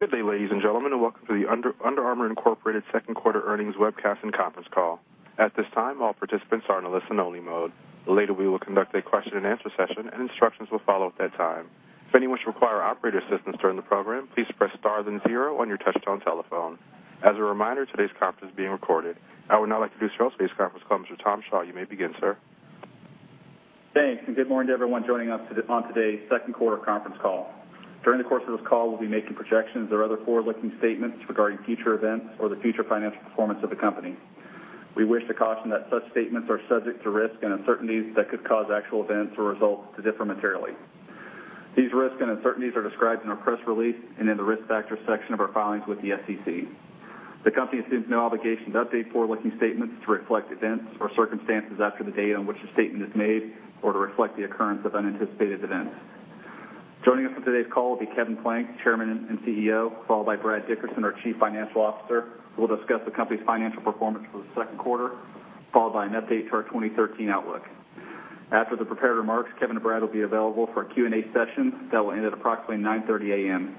Good day, ladies and gentlemen, and welcome to the Under Armour Incorporated second quarter earnings webcast and conference call. At this time, all participants are in listen-only mode. Later, we will conduct a question-and-answer session, and instructions will follow at that time. If anyone should require operator assistance during the program, please press star then zero on your touchtone telephone. As a reminder, today's conference is being recorded. I would now like to introduce for today's conference call, Mr. Tom Shaw. You may begin, sir. Thanks. Good morning to everyone joining us on today's second quarter conference call. During the course of this call, we'll be making projections or other forward-looking statements regarding future events or the future financial performance of the company. We wish to caution that such statements are subject to risks and uncertainties that could cause actual events or results to differ materially. These risks and uncertainties are described in our press release and in the risk factors section of our filings with the SEC. The company assumes no obligation to update forward-looking statements to reflect events or circumstances after the date on which a statement is made or to reflect the occurrence of unanticipated events. Joining us on today's call will be Kevin Plank, Chairman and CEO, followed by Brad Dickerson, our Chief Financial Officer, who will discuss the company's financial performance for the second quarter, followed by an update to our 2013 outlook. After the prepared remarks, Kevin and Brad will be available for a Q&A session that will end at approximately 9:30 A.M.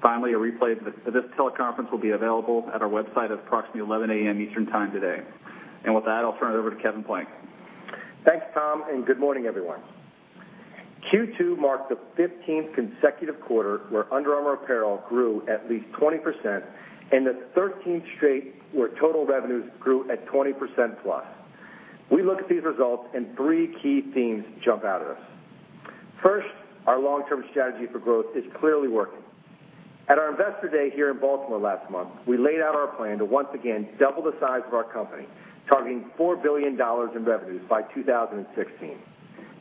Finally, a replay of this teleconference will be available at our website at approximately 11:00 A.M. Eastern Time today. With that, I'll turn it over to Kevin Plank. Thanks, Tom. Good morning, everyone. Q2 marked the 15th consecutive quarter where Under Armour Apparel grew at least 20% and the 13th straight where total revenues grew at 20% plus. We look at these results and three key themes jump out at us. First, our long-term strategy for growth is clearly working. At our Investor Day here in Baltimore last month, we laid out our plan to once again double the size of our company, targeting $4 billion in revenues by 2016.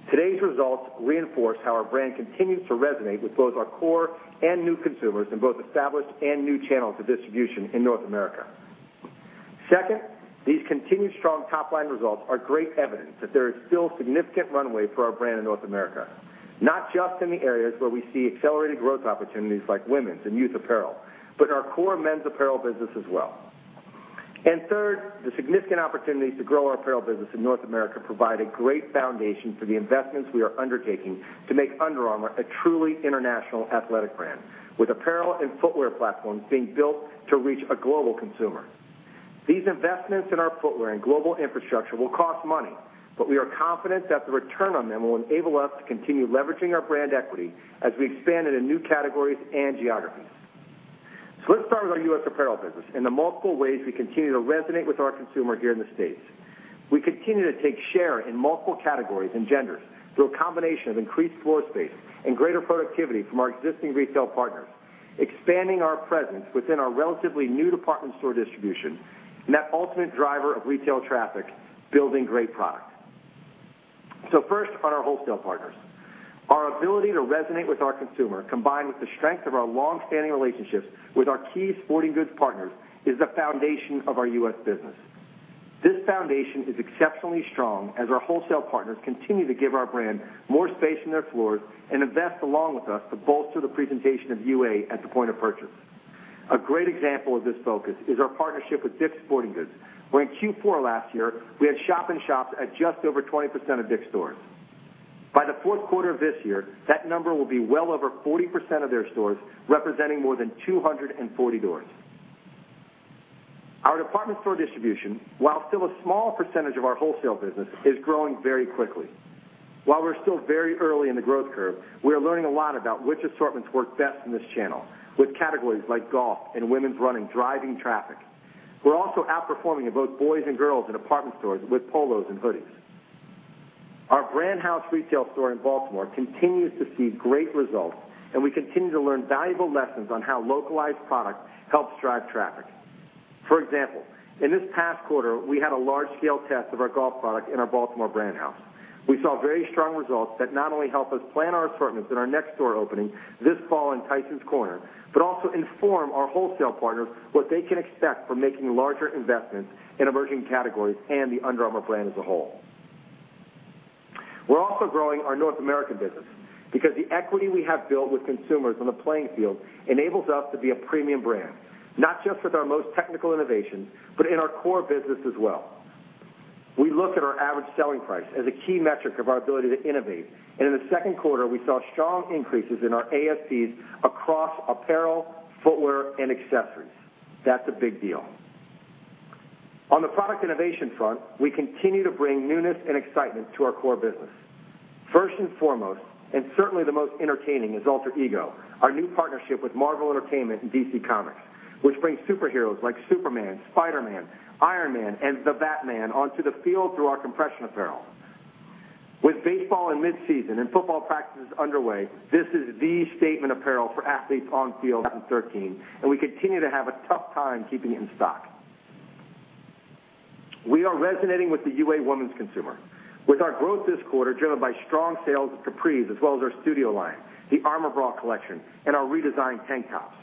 Today's results reinforce how our brand continues to resonate with both our core and new consumers in both established and new channels of distribution in North America. Second, these continued strong top-line results are great evidence that there is still significant runway for our brand in North America, not just in the areas where we see accelerated growth opportunities like women's and youth apparel, but in our core men's apparel business as well. Third, the significant opportunities to grow our apparel business in North America provide a great foundation for the investments we are undertaking to make Under Armour a truly international athletic brand, with apparel and footwear platforms being built to reach a global consumer. These investments in our footwear and global infrastructure will cost money, but we are confident that the return on them will enable us to continue leveraging our brand equity as we expand into new categories and geographies. Let's start with our U.S. apparel business and the multiple ways we continue to resonate with our consumer here in the States. We continue to take share in multiple categories and genders through a combination of increased floor space and greater productivity from our existing retail partners, expanding our presence within our relatively new department store distribution and that ultimate driver of retail traffic, building great product. First, on our wholesale partners. Our ability to resonate with our consumer, combined with the strength of our long-standing relationships with our key sporting goods partners, is the foundation of our U.S. business. This foundation is exceptionally strong as our wholesale partners continue to give our brand more space in their floors and invest along with us to bolster the presentation of UA at the point of purchase. A great example of this focus is our partnership with Dick's Sporting Goods, where in Q4 last year, we had shop in shops at just over 20% of Dick's stores. By the fourth quarter of this year, that number will be well over 40% of their stores, representing more than 240 doors. Our department store distribution, while still a small percentage of our wholesale business, is growing very quickly. While we're still very early in the growth curve, we are learning a lot about which assortments work best in this channel with categories like golf and women's running, driving traffic. We're also outperforming in both boys and girls in department stores with polos and hoodies. Our brand house retail store in Baltimore continues to see great results, and we continue to learn valuable lessons on how localized product helps drive traffic. For example, in this past quarter, we had a large-scale test of our golf product in our Baltimore brand house. We saw very strong results that not only help us plan our assortments in our next store opening this fall in Tysons Corner, but also inform our wholesale partners what they can expect from making larger investments in emerging categories and the Under Armour brand as a whole. We're also growing our North American business because the equity we have built with consumers on the playing field enables us to be a premium brand, not just with our most technical innovations, but in our core business as well. We look at our Average Selling Price as a key metric of our ability to innovate, and in the second quarter, we saw strong increases in our ASPs across apparel, footwear, and accessories. That's a big deal. On the product innovation front, we continue to bring newness and excitement to our core business. First and foremost, and certainly the most entertaining, is Alter Ego, our new partnership with Marvel Entertainment and DC Comics, which brings superheroes like Superman, Spider-Man, Iron Man and Batman onto the field through our compression apparel. With baseball in mid-season and football practices underway, this is the statement apparel for athletes on field 2013, we continue to have a tough time keeping it in stock. We're also resonating with the UA women's consumer with our growth this quarter driven by strong sales of capris as well as our Studio line, the Armour Bra collection, and our redesigned tank tops.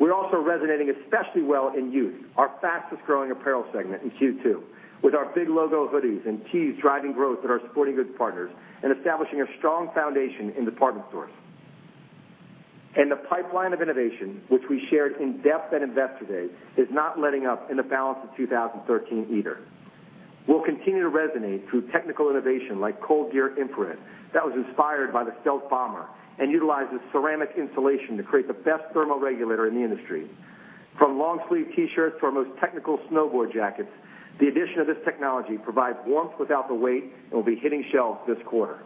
We're also resonating especially well in youth, our fastest-growing apparel segment in Q2 with our big logo hoodies and tees driving growth at our sporting goods partners and establishing a strong foundation in department stores. The pipeline of innovation, which we shared in-depth at Investor Day, is not letting up in the balance of 2013 either. We'll continue to resonate through technical innovation like ColdGear Infrared that was inspired by the stealth bomber and utilizes ceramic insulation to create the best thermal regulator in the industry. From long-sleeve T-shirts to our most technical snowboard jackets, the addition of this technology provides warmth without the weight and will be hitting shelves this quarter.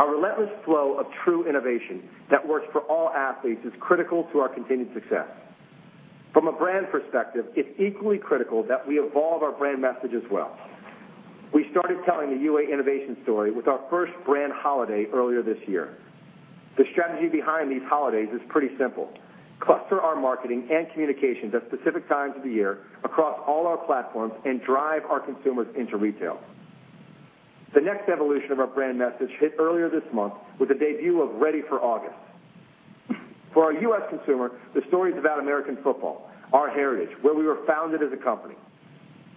Our relentless flow of true innovation that works for all athletes is critical to our continued success. From a brand perspective, it's equally critical that we evolve our brand message as well. We started telling the UA innovation story with our first brand holiday earlier this year. The strategy behind these holidays is pretty simple. Cluster our marketing and communications at specific times of the year across all our platforms and drive our consumers into retail. The next evolution of our brand message hit earlier this month with the debut of Ready for August. For our U.S. consumer, the story is about American football, our heritage, where we were founded as a company.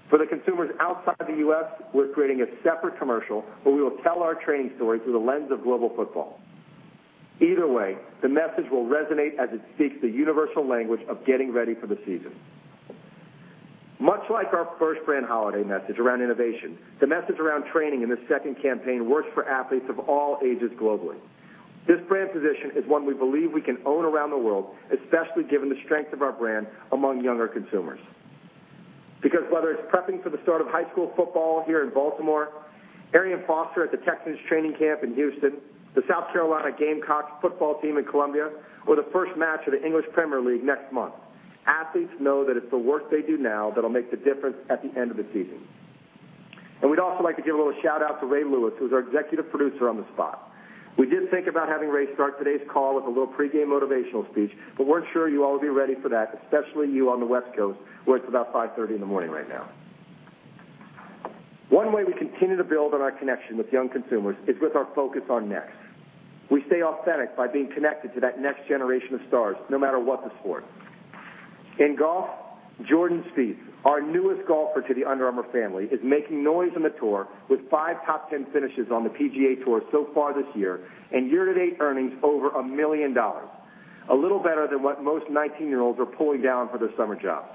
For the consumers outside the U.S., we're creating a separate commercial where we will tell our training story through the lens of global football. Either way, the message will resonate as it speaks the universal language of getting ready for the season. Much like our first brand holiday message around innovation, the message around training in this second campaign works for athletes of all ages globally. This brand position is one we believe we can own around the world, especially given the strength of our brand among younger consumers. Whether it's prepping for the start of high school football here in Baltimore, Arian Foster at the Texans training camp in Houston, the South Carolina Gamecocks football team in Columbia, or the first match of the English Premier League next month, athletes know that it's the work they do now that'll make the difference at the end of the season. We'd also like to give a little shout-out to Ray Lewis, who was our executive producer on the spot. We did think about having Ray start today's call with a little pre-game motivational speech, but weren't sure you all would be ready for that, especially you on the West Coast, where it's about 5:30 A.M. right now. One way we continue to build on our connection with young consumers is with our focus on next. We stay authentic by being connected to that next generation of stars, no matter what the sport. In golf, Jordan Spieth, our newest golfer to the Under Armour family, is making noise in the tour with five top 10 finishes on the PGA Tour so far this year, and year-to-date earnings over $1 million. A little better than what most 19-year-olds are pulling down for their summer jobs.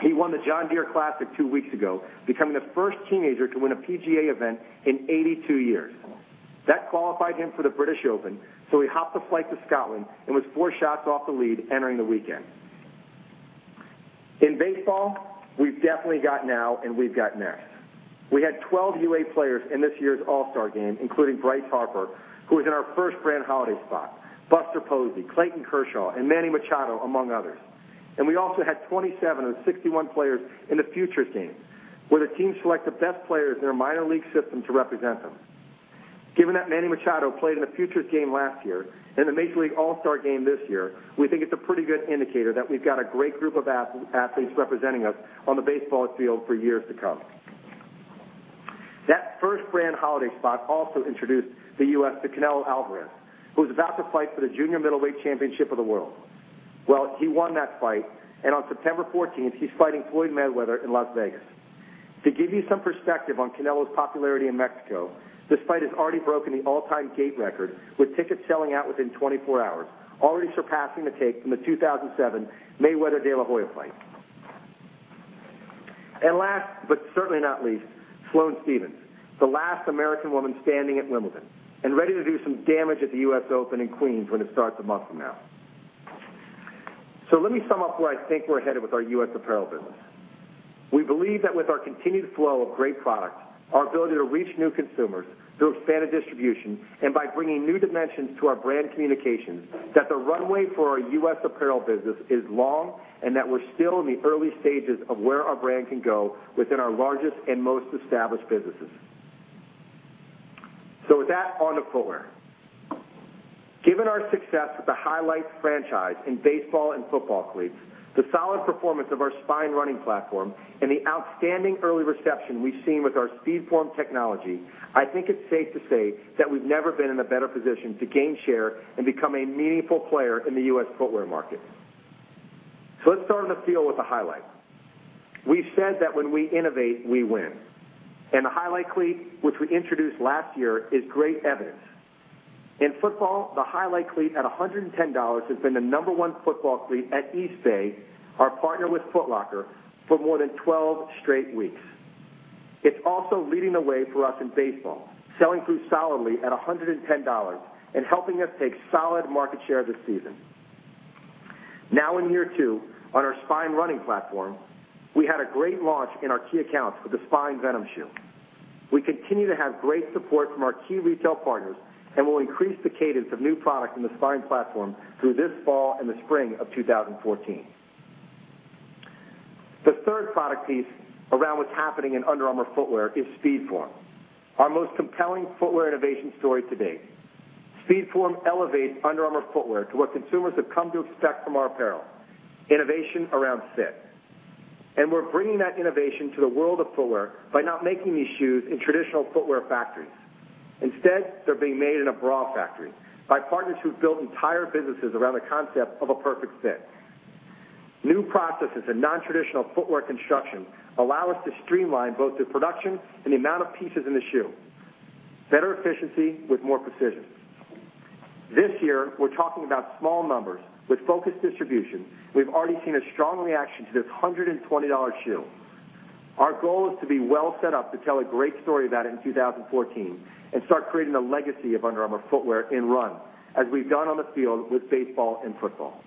He won the John Deere Classic two weeks ago, becoming the first teenager to win a PGA event in 82 years. That qualified him for the British Open, so he hopped a flight to Scotland and was four shots off the lead entering the weekend. In baseball, we've definitely got now and we've got next. We had 12 UA players in this year's All-Star Game, including Bryce Harper, who was in our first brand holiday spot, Buster Posey, Clayton Kershaw, and Manny Machado, among others. We also had 27 of the 61 players in the Futures Game, where the teams select the best players in their minor league system to represent them. Given that Manny Machado played in the Futures Game last year and the Major League All-Star Game this year, we think it's a pretty good indicator that we've got a great group of athletes representing us on the baseball field for years to come. That first brand holiday spot also introduced the U.S. to Canelo Álvarez, who was about to fight for the Junior Middleweight Championship of the world. He won that fight, on September 14th, he's fighting Floyd Mayweather in Las Vegas. To give you some perspective on Canelo's popularity in Mexico, this fight has already broken the all-time gate record with tickets selling out within 24 hours, already surpassing the take from the 2007 Mayweather-De La Hoya fight. Last, but certainly not least, Sloane Stephens, the last American woman standing at Wimbledon, ready to do some damage at the US Open in Queens when it starts a month from now. Let me sum up where I think we're headed with our U.S. apparel business. We believe that with our continued flow of great products, our ability to reach new consumers, to expand the distribution, and by bringing new dimensions to our brand communications, that the runway for our U.S. apparel business is long, and that we're still in the early stages of where our brand can go within our largest and most established businesses. With that, on to footwear. Given our success with the Highlight franchise in baseball and football cleats, the solid performance of our Spine running platform, and the outstanding early reception we've seen with our Speedform technology, I think it's safe to say that we've never been in a better position to gain share and become a meaningful player in the U.S. footwear market. Let's start in the field with the Highlight. We've said that when we innovate, we win. The Highlight cleat, which we introduced last year, is great evidence. In football, the Highlight cleat at $110 has been the number one football cleat at Eastbay, our partner with Foot Locker, for more than 12 straight weeks. It's also leading the way for us in baseball, selling through solidly at $110 and helping us take solid market share this season. Now in year two on our Spine running platform, we had a great launch in our key accounts with the Spine Venom shoe. We continue to have great support from our key retail partners and will increase the cadence of new product in the Spine platform through this fall and the spring of 2014. The third product piece around what's happening in Under Armour footwear is Speedform, our most compelling footwear innovation story to date. Speedform elevates Under Armour footwear to what consumers have come to expect from our apparel, innovation around fit. We're bringing that innovation to the world of footwear by not making these shoes in traditional footwear factories. Instead, they're being made in a bra factory by partners who've built entire businesses around the concept of a perfect fit. New processes and non-traditional footwear construction allow us to streamline both the production and the amount of pieces in the shoe. Better efficiency with more precision. This year, we're talking about small numbers with focused distribution. We've already seen a strong reaction to this $120 shoe. Our goal is to be well set up to tell a great story about it in 2014 and start creating a legacy of Under Armour footwear in Run, as we've done on the field with baseball and football.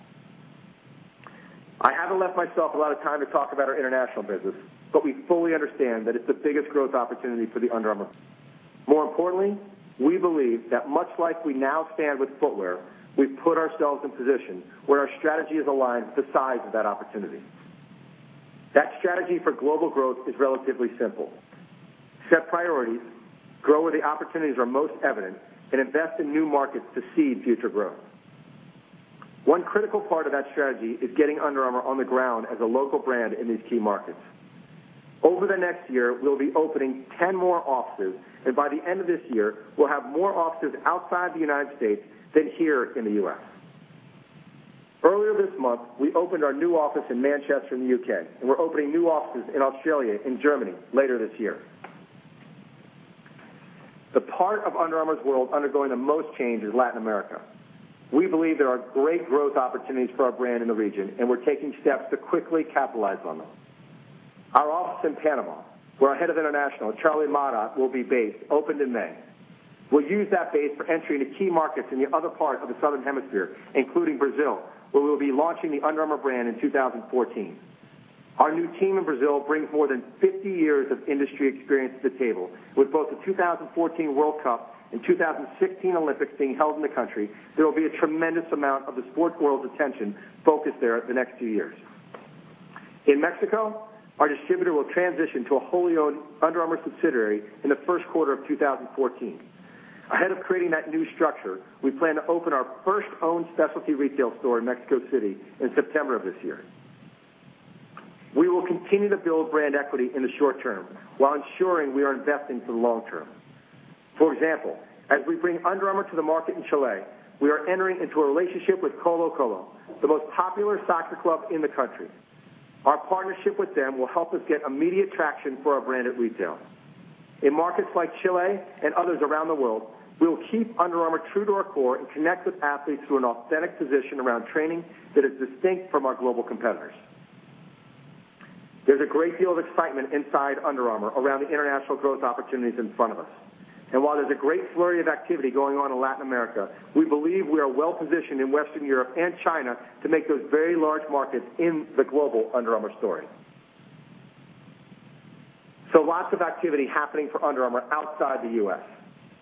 We fully understand that it's the biggest growth opportunity for Under Armour. More importantly, we believe that much like we now stand with footwear, we've put ourselves in position where our strategy is aligned with the size of that opportunity. That strategy for global growth is relatively simple. Set priorities, grow where the opportunities are most evident, invest in new markets to seed future growth. One critical part of that strategy is getting Under Armour on the ground as a local brand in these key markets. Over the next year, we'll be opening 10 more offices, and by the end of this year, we'll have more offices outside the United States than here in the U.S. Earlier this month, we opened our new office in Manchester, in the U.K., we're opening new offices in Australia and Germany later this year. The part of Under Armour's world undergoing the most change is Latin America. We believe there are great growth opportunities for our brand in the region, we're taking steps to quickly capitalize on them. Our office in Panama, where our Head of International, Charlie Maurath, will be based, opened in May. We'll use that base for entry into key markets in the other parts of the Southern Hemisphere, including Brazil, where we'll be launching the Under Armour brand in 2014. Our new team in Brazil brings more than 50 years of industry experience to the table. With both the 2014 World Cup and 2016 Olympics being held in the country, there will be a tremendous amount of the sports world's attention focused there the next few years. In Mexico, our distributor will transition to a wholly owned Under Armour subsidiary in the first quarter of 2014. Ahead of creating that new structure, we plan to open our first owned specialty retail store in Mexico City in September of this year. We will continue to build brand equity in the short term while ensuring we are investing for the long term. For example, as we bring Under Armour to the market in Chile, we are entering into a relationship with Colo-Colo, the most popular soccer club in the country. Our partnership with them will help us get immediate traction for our brand at retail. In markets like Chile and others around the world, we will keep Under Armour true to our core and connect with athletes through an authentic position around training that is distinct from our global competitors. There's a great deal of excitement inside Under Armour around the international growth opportunities in front of us. While there's a great flurry of activity going on in Latin America, we believe we are well-positioned in Western Europe and China to make those very large markets in the global Under Armour story. Lots of activity happening for Under Armour outside the U.S.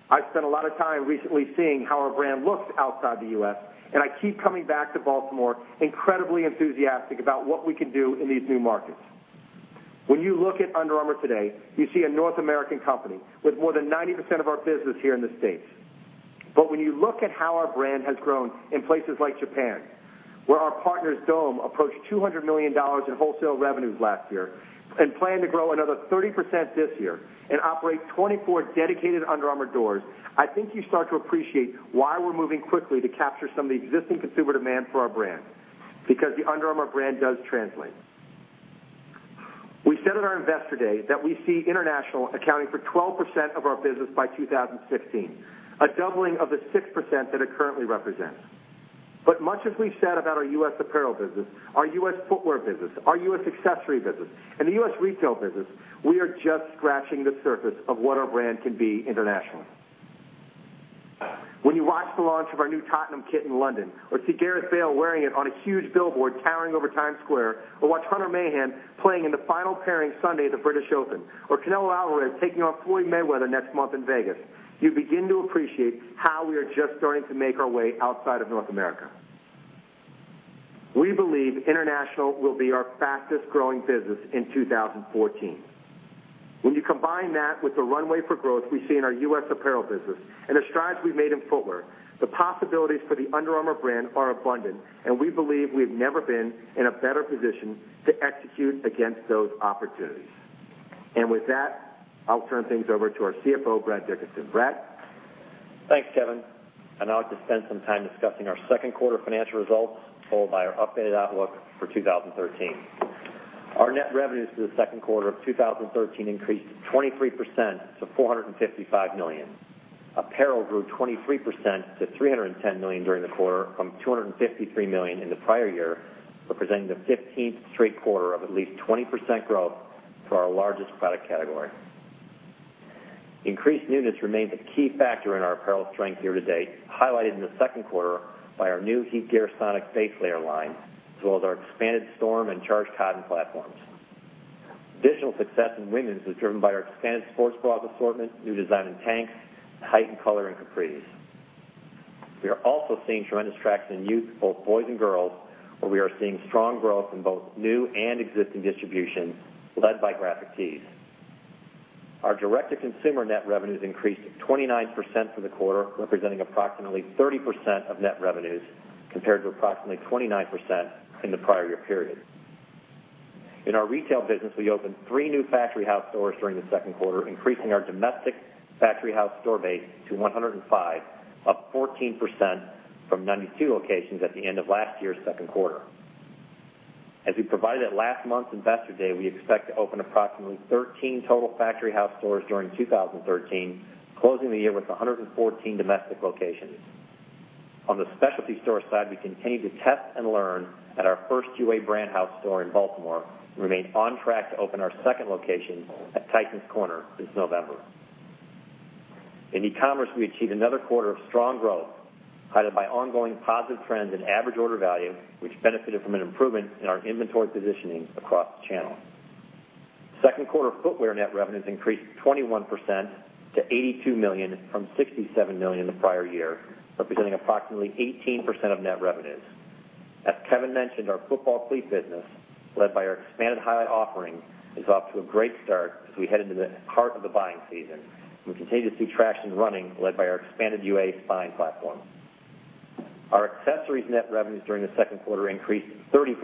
I've spent a lot of time recently seeing how our brand looks outside the U.S., and I keep coming back to Baltimore incredibly enthusiastic about what we can do in these new markets. When you look at Under Armour today, you see a North American company with more than 90% of our business here in the U.S. When you look at how our brand has grown in places like Japan, where our partners Dome approached $200 million in wholesale revenues last year and plan to grow another 30% this year and operate 24 dedicated Under Armour doors, I think you start to appreciate why we're moving quickly to capture some of the existing consumer demand for our brand. The Under Armour brand does translate. We said at our Investor Day that we see international accounting for 12% of our business by 2016, a doubling of the 6% that it currently represents. Much as we've said about our U.S. apparel business, our U.S. footwear business, our U.S. accessory business, and the U.S. retail business, we are just scratching the surface of what our brand can be internationally. When you watch the launch of our new Tottenham kit in London or see Gareth Bale wearing it on a huge billboard towering over Times Square, or watch Hunter Mahan playing in the final pairing Sunday at The British Open, or Canelo Álvarez taking on Floyd Mayweather next month in Vegas, you begin to appreciate how we are just starting to make our way outside of North America. We believe international will be our fastest-growing business in 2014. When you combine that with the runway for growth we see in our U.S. apparel business and the strides we've made in footwear, the possibilities for the Under Armour brand are abundant, we believe we've never been in a better position to execute against those opportunities. With that, I'll turn things over to our CFO, Brad Dickerson. Brad? Thanks, Kevin. I'll just spend some time discussing our second quarter financial results, followed by our updated outlook for 2013. Our net revenues for the second quarter of 2013 increased 23% to $455 million. Apparel grew 23% to $310 million during the quarter from $253 million in the prior year, representing the 15th straight quarter of at least 20% growth for our largest product category. Increased newness remained a key factor in our apparel strength year to date, highlighted in the second quarter by our new HeatGear Sonic base layer line, as well as our expanded Storm and Charged Cotton platforms. Additional success in women's was driven by our expanded sports bra assortment, new design in tanks, and heightened color in capris. We are also seeing tremendous traction in youth, both boys and girls, where we are seeing strong growth in both new and existing distribution, led by graphic tees. Our direct-to-consumer net revenues increased 29% for the quarter, representing approximately 30% of net revenues, compared to approximately 29% in the prior year period. In our retail business, we opened three new Factory House stores during the second quarter, increasing our domestic Factory House store base to 105, up 14% from 92 locations at the end of last year's second quarter. As we provided at last month's investor day, we expect to open approximately 13 total Factory House stores during 2013, closing the year with 114 domestic locations. On the specialty store side, we continue to test and learn at our first UA brand house store in Baltimore and remain on track to open our second location at Tysons Corner this November. In e-commerce, we achieved another quarter of strong growth, highlighted by ongoing positive trends in average order value, which benefited from an improvement in our inventory positioning across the channel. Second quarter footwear net revenues increased 21% to $82 million from $67 million in the prior year, representing approximately 18% of net revenues. As Kevin mentioned, our football cleat business, led by our expanded Highlight offering, is off to a great start as we head into the heart of the buying season. We continue to see traction running, led by our expanded UA Spine platform. Our accessories net revenues during the second quarter increased 30%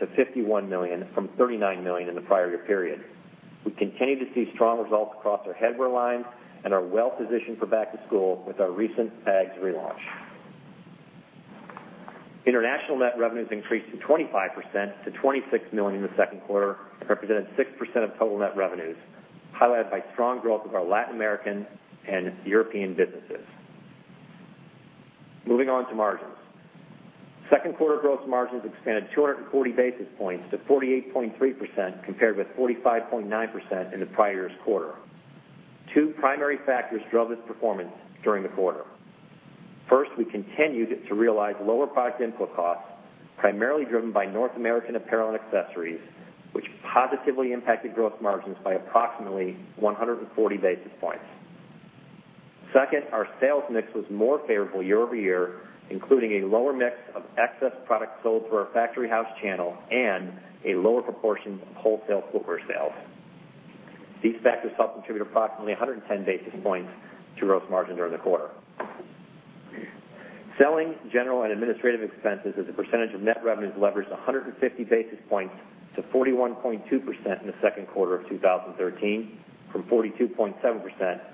to $51 million from $39 million in the prior year period. We continue to see strong results across our headwear lines and are well-positioned for back to school with our recent bags relaunch. International net revenues increased to 25% to $26 million in the second quarter and represented 6% of total net revenues, highlighted by strong growth of our Latin American and European businesses. Moving on to margins. Second quarter gross margins expanded 240 basis points to 48.3%, compared with 45.9% in the prior year's quarter. Two primary factors drove this performance during the quarter. First, we continued to realize lower product input costs, primarily driven by North American apparel and accessories, which positively impacted gross margins by approximately 140 basis points. Second, our sales mix was more favorable year-over-year, including a lower mix of excess product sold through our Factory House channel and a lower proportion of wholesale footwear sales. These factors helped contribute approximately 110 basis points to gross margin during the quarter. Selling, general, and administrative expenses as a percentage of net revenues leveraged 150 basis points to 41.2% in the second quarter of 2013 from 42.7%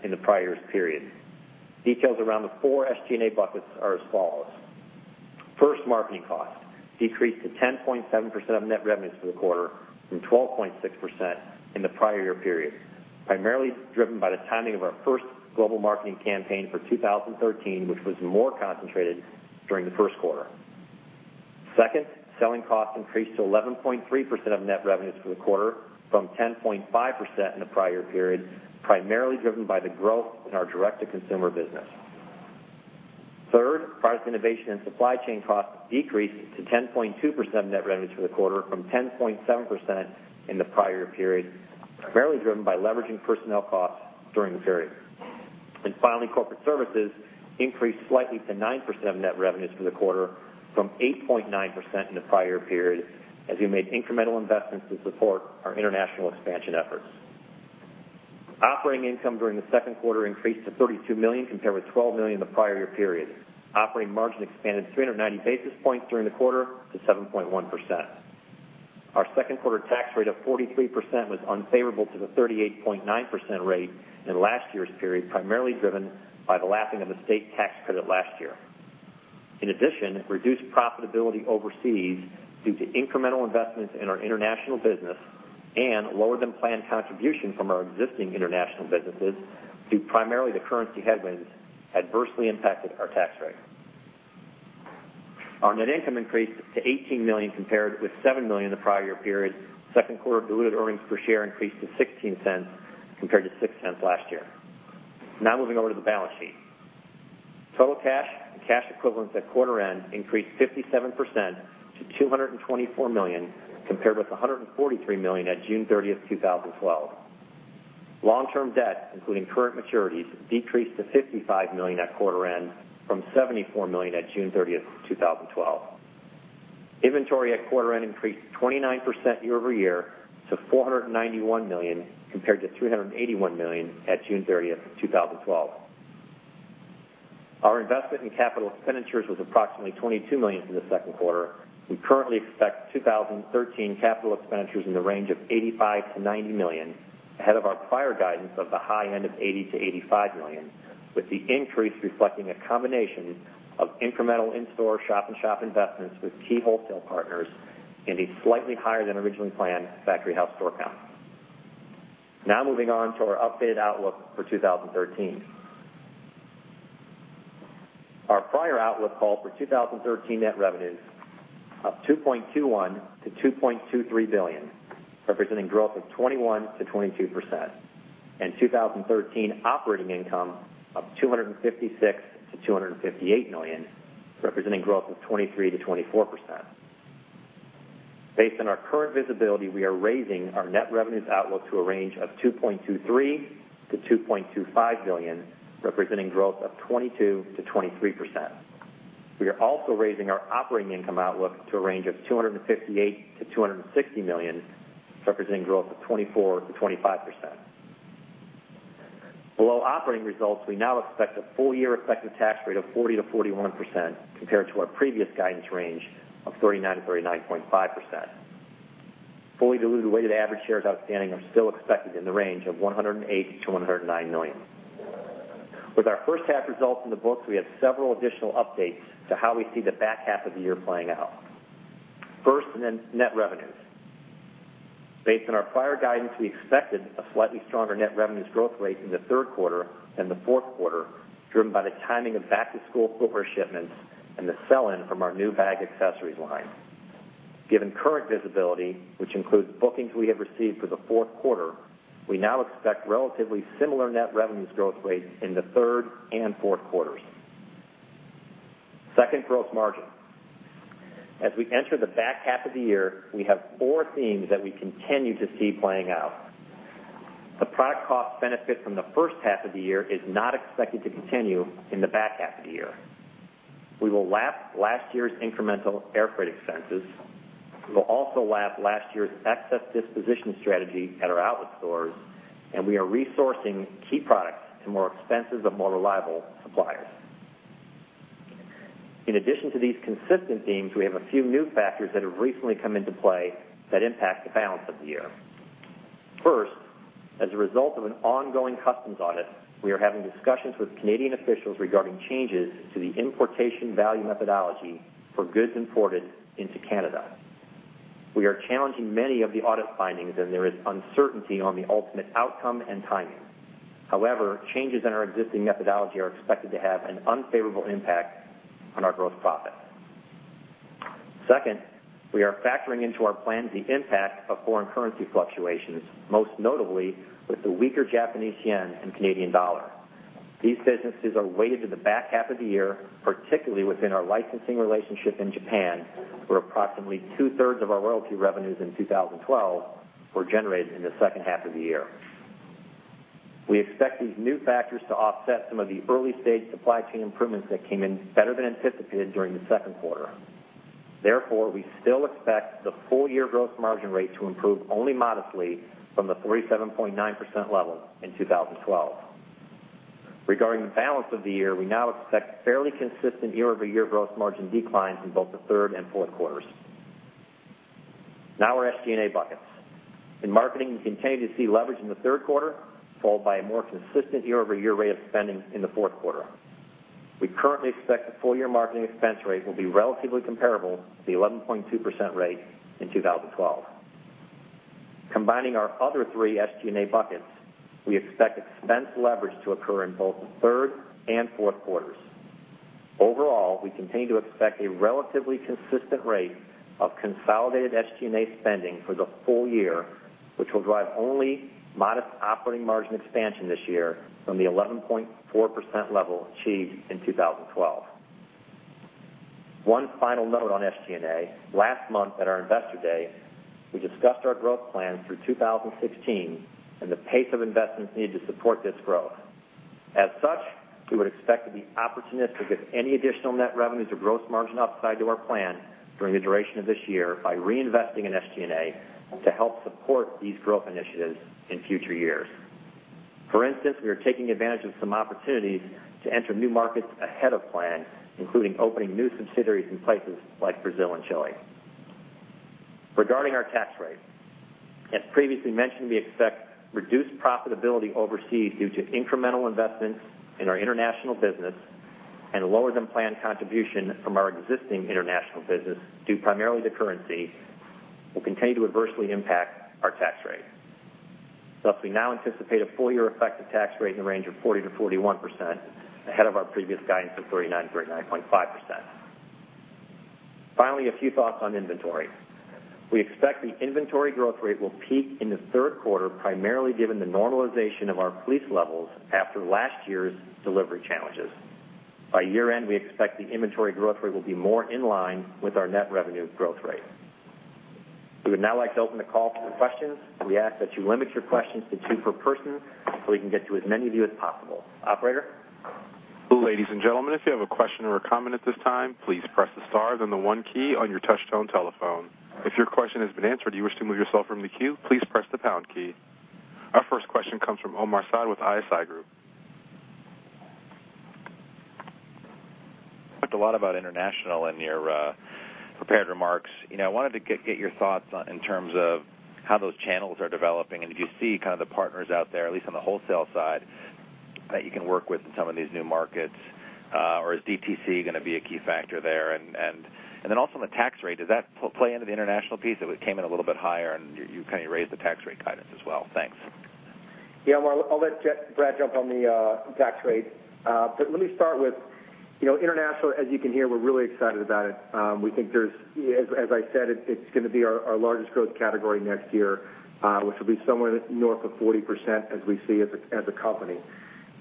in the prior year's period. Details around the four SG&A buckets are as follows. First, marketing costs decreased to 10.7% of net revenues for the quarter from 12.6% in the prior year period, primarily driven by the timing of our first global marketing campaign for 2013, which was more concentrated during the first quarter. Second, selling costs increased to 11.3% of net revenues for the quarter from 10.5% in the prior period, primarily driven by the growth in our direct-to-consumer business. Third, product innovation and supply chain costs decreased to 10.2% of net revenues for the quarter from 10.7% in the prior year period, primarily driven by leveraging personnel costs during the period. Finally, corporate services increased slightly to 9% of net revenues for the quarter from 8.9% in the prior period, as we made incremental investments to support our international expansion efforts. Operating income during the second quarter increased to $32 million compared with $12 million in the prior year period. Operating margin expanded 390 basis points during the quarter to 7.1%. Our second quarter tax rate of 43% was unfavorable to the 38.9% rate in last year's period, primarily driven by the lapping of a state tax credit last year. In addition, reduced profitability overseas due to incremental investments in our international business and lower than planned contribution from our existing international businesses, due primarily to currency headwinds, adversely impacted our tax rate. Our net income increased to $18 million compared with $7 million in the prior year period. Second quarter diluted earnings per share increased to $0.16 compared to $0.06 last year. Now moving over to the balance sheet. Total cash and cash equivalents at quarter end increased 57% to $224 million compared with $143 million at June 30th, 2012. Long-term debt, including current maturities, decreased to $55 million at quarter end from $74 million at June 30th, 2012. Inventory at quarter end increased 29% year-over-year to $491 million compared to $381 million at June 30th, 2012. Our investment in capital expenditures was approximately $22 million for the second quarter. We currently expect 2013 capital expenditures in the range of $85 million-$90 million, ahead of our prior guidance of the high end of $80 million-$85 million, with the increase reflecting a combination of incremental in-store shop-in-shop investments with key wholesale partners and a slightly higher than originally planned Factory House store count. Now moving on to our updated outlook for 2013. Our prior outlook called for 2013 net revenues of $2.21 billion-$2.23 billion, representing growth of 21%-22%, and 2013 operating income of $256 million-$258 million, representing growth of 23%-24%. Based on our current visibility, we are raising our net revenues outlook to a range of $2.23 billion-$2.25 billion, representing growth of 22%-23%. We are also raising our operating income outlook to a range of $258 million-$260 million, representing growth of 24%-25%. Below operating results, we now expect a full-year effective tax rate of 40%-41%, compared to our previous guidance range of 39%-39.5%. Fully diluted weighted average shares outstanding are still expected in the range of 108 million-109 million. With our first half results in the books, we have several additional updates to how we see the back half of the year playing out. First, net revenues. Based on our prior guidance, we expected a slightly stronger net revenues growth rate in the third quarter and the fourth quarter, driven by the timing of back-to-school footwear shipments and the sell-in from our new bag accessories line. Given current visibility, which includes bookings we have received for the fourth quarter, we now expect relatively similar net revenues growth rates in the third and fourth quarters. Second, gross margin. As we enter the back half of the year, we have four themes that we continue to see playing out. The product cost benefit from the first half of the year is not expected to continue in the back half of the year. We will lap last year's incremental air freight expenses. We will also lap last year's excess disposition strategy at our outlet stores. We are resourcing key products to more expensive but more reliable suppliers. In addition to these consistent themes, we have a few new factors that have recently come into play that impact the balance of the year. First, as a result of an ongoing customs audit, we are having discussions with Canadian officials regarding changes to the importation value methodology for goods imported into Canada. We are challenging many of the audit findings, and there is uncertainty on the ultimate outcome and timing. However, changes in our existing methodology are expected to have an unfavorable impact on our gross profit. Second, we are factoring into our plans the impact of foreign currency fluctuations, most notably with the weaker Japanese yen and Canadian dollar. These businesses are weighted to the back half of the year, particularly within our licensing relationship in Japan, where approximately two-thirds of our royalty revenues in 2012 were generated in the second half of the year. We expect these new factors to offset some of the early-stage supply chain improvements that came in better than anticipated during the second quarter. Therefore, we still expect the full-year gross margin rate to improve only modestly from the 47.9% level in 2012. Regarding the balance of the year, we now expect fairly consistent year-over-year gross margin declines in both the third and fourth quarters. Now our SG&A buckets. In marketing, we continue to see leverage in the third quarter, followed by a more consistent year-over-year rate of spending in the fourth quarter. We currently expect the full-year marketing expense rate will be relatively comparable to the 11.2% rate in 2012. Combining our other three SG&A buckets, we expect expense leverage to occur in both the third and fourth quarters. Overall, we continue to expect a relatively consistent rate of consolidated SG&A spending for the full year, which will drive only modest operating margin expansion this year from the 11.4% level achieved in 2012. One final note on SG&A. Last month at our investor day, we discussed our growth plans through 2016 and the pace of investments needed to support this growth. As such, we would expect to be opportunistic with any additional net revenues or gross margin upside to our plan during the duration of this year by reinvesting in SG&A to help support these growth initiatives in future years. For instance, we are taking advantage of some opportunities to enter new markets ahead of plan, including opening new subsidiaries in places like Brazil and Chile. Regarding our tax rate. As previously mentioned, we expect reduced profitability overseas due to incremental investments in our international business and lower-than-planned contribution from our existing international business, due primarily to currency, will continue to adversely impact our tax rate. Thus, we now anticipate a full-year effective tax rate in the range of 40%-41%, ahead of our previous guidance of 39%-39.5%. Finally, a few thoughts on inventory. We expect the inventory growth rate will peak in the third quarter, primarily given the normalization of our replenishment levels after last year's delivery challenges. By year-end, we expect the inventory growth rate will be more in line with our net revenue growth rate. We would now like to open the call for questions. We ask that you limit your questions to two per person so we can get to as many of you as possible. Operator? Ladies and gentlemen, if you have a question or a comment at this time, please press the star, then the one key on your touch-tone telephone. If your question has been answered or you wish to remove yourself from the queue, please press the pound key. Our first question comes from Omar Saad with ISI Group. You talked a lot about international in your prepared remarks. I wanted to get your thoughts in terms of how those channels are developing and if you see the partners out there, at least on the wholesale side, that you can work with in some of these new markets. Or is DTC going to be a key factor there? Also on the tax rate, does that play into the international piece, if it came in a little bit higher and you raise the tax rate guidance as well? Thanks. Yeah, Omar. I'll let Brad jump on the tax rate. Let me start with international. As you can hear, we're really excited about it. We think there's, as I said, it's going to be our largest growth category next year, which will be somewhere north of 40% as we see as a company.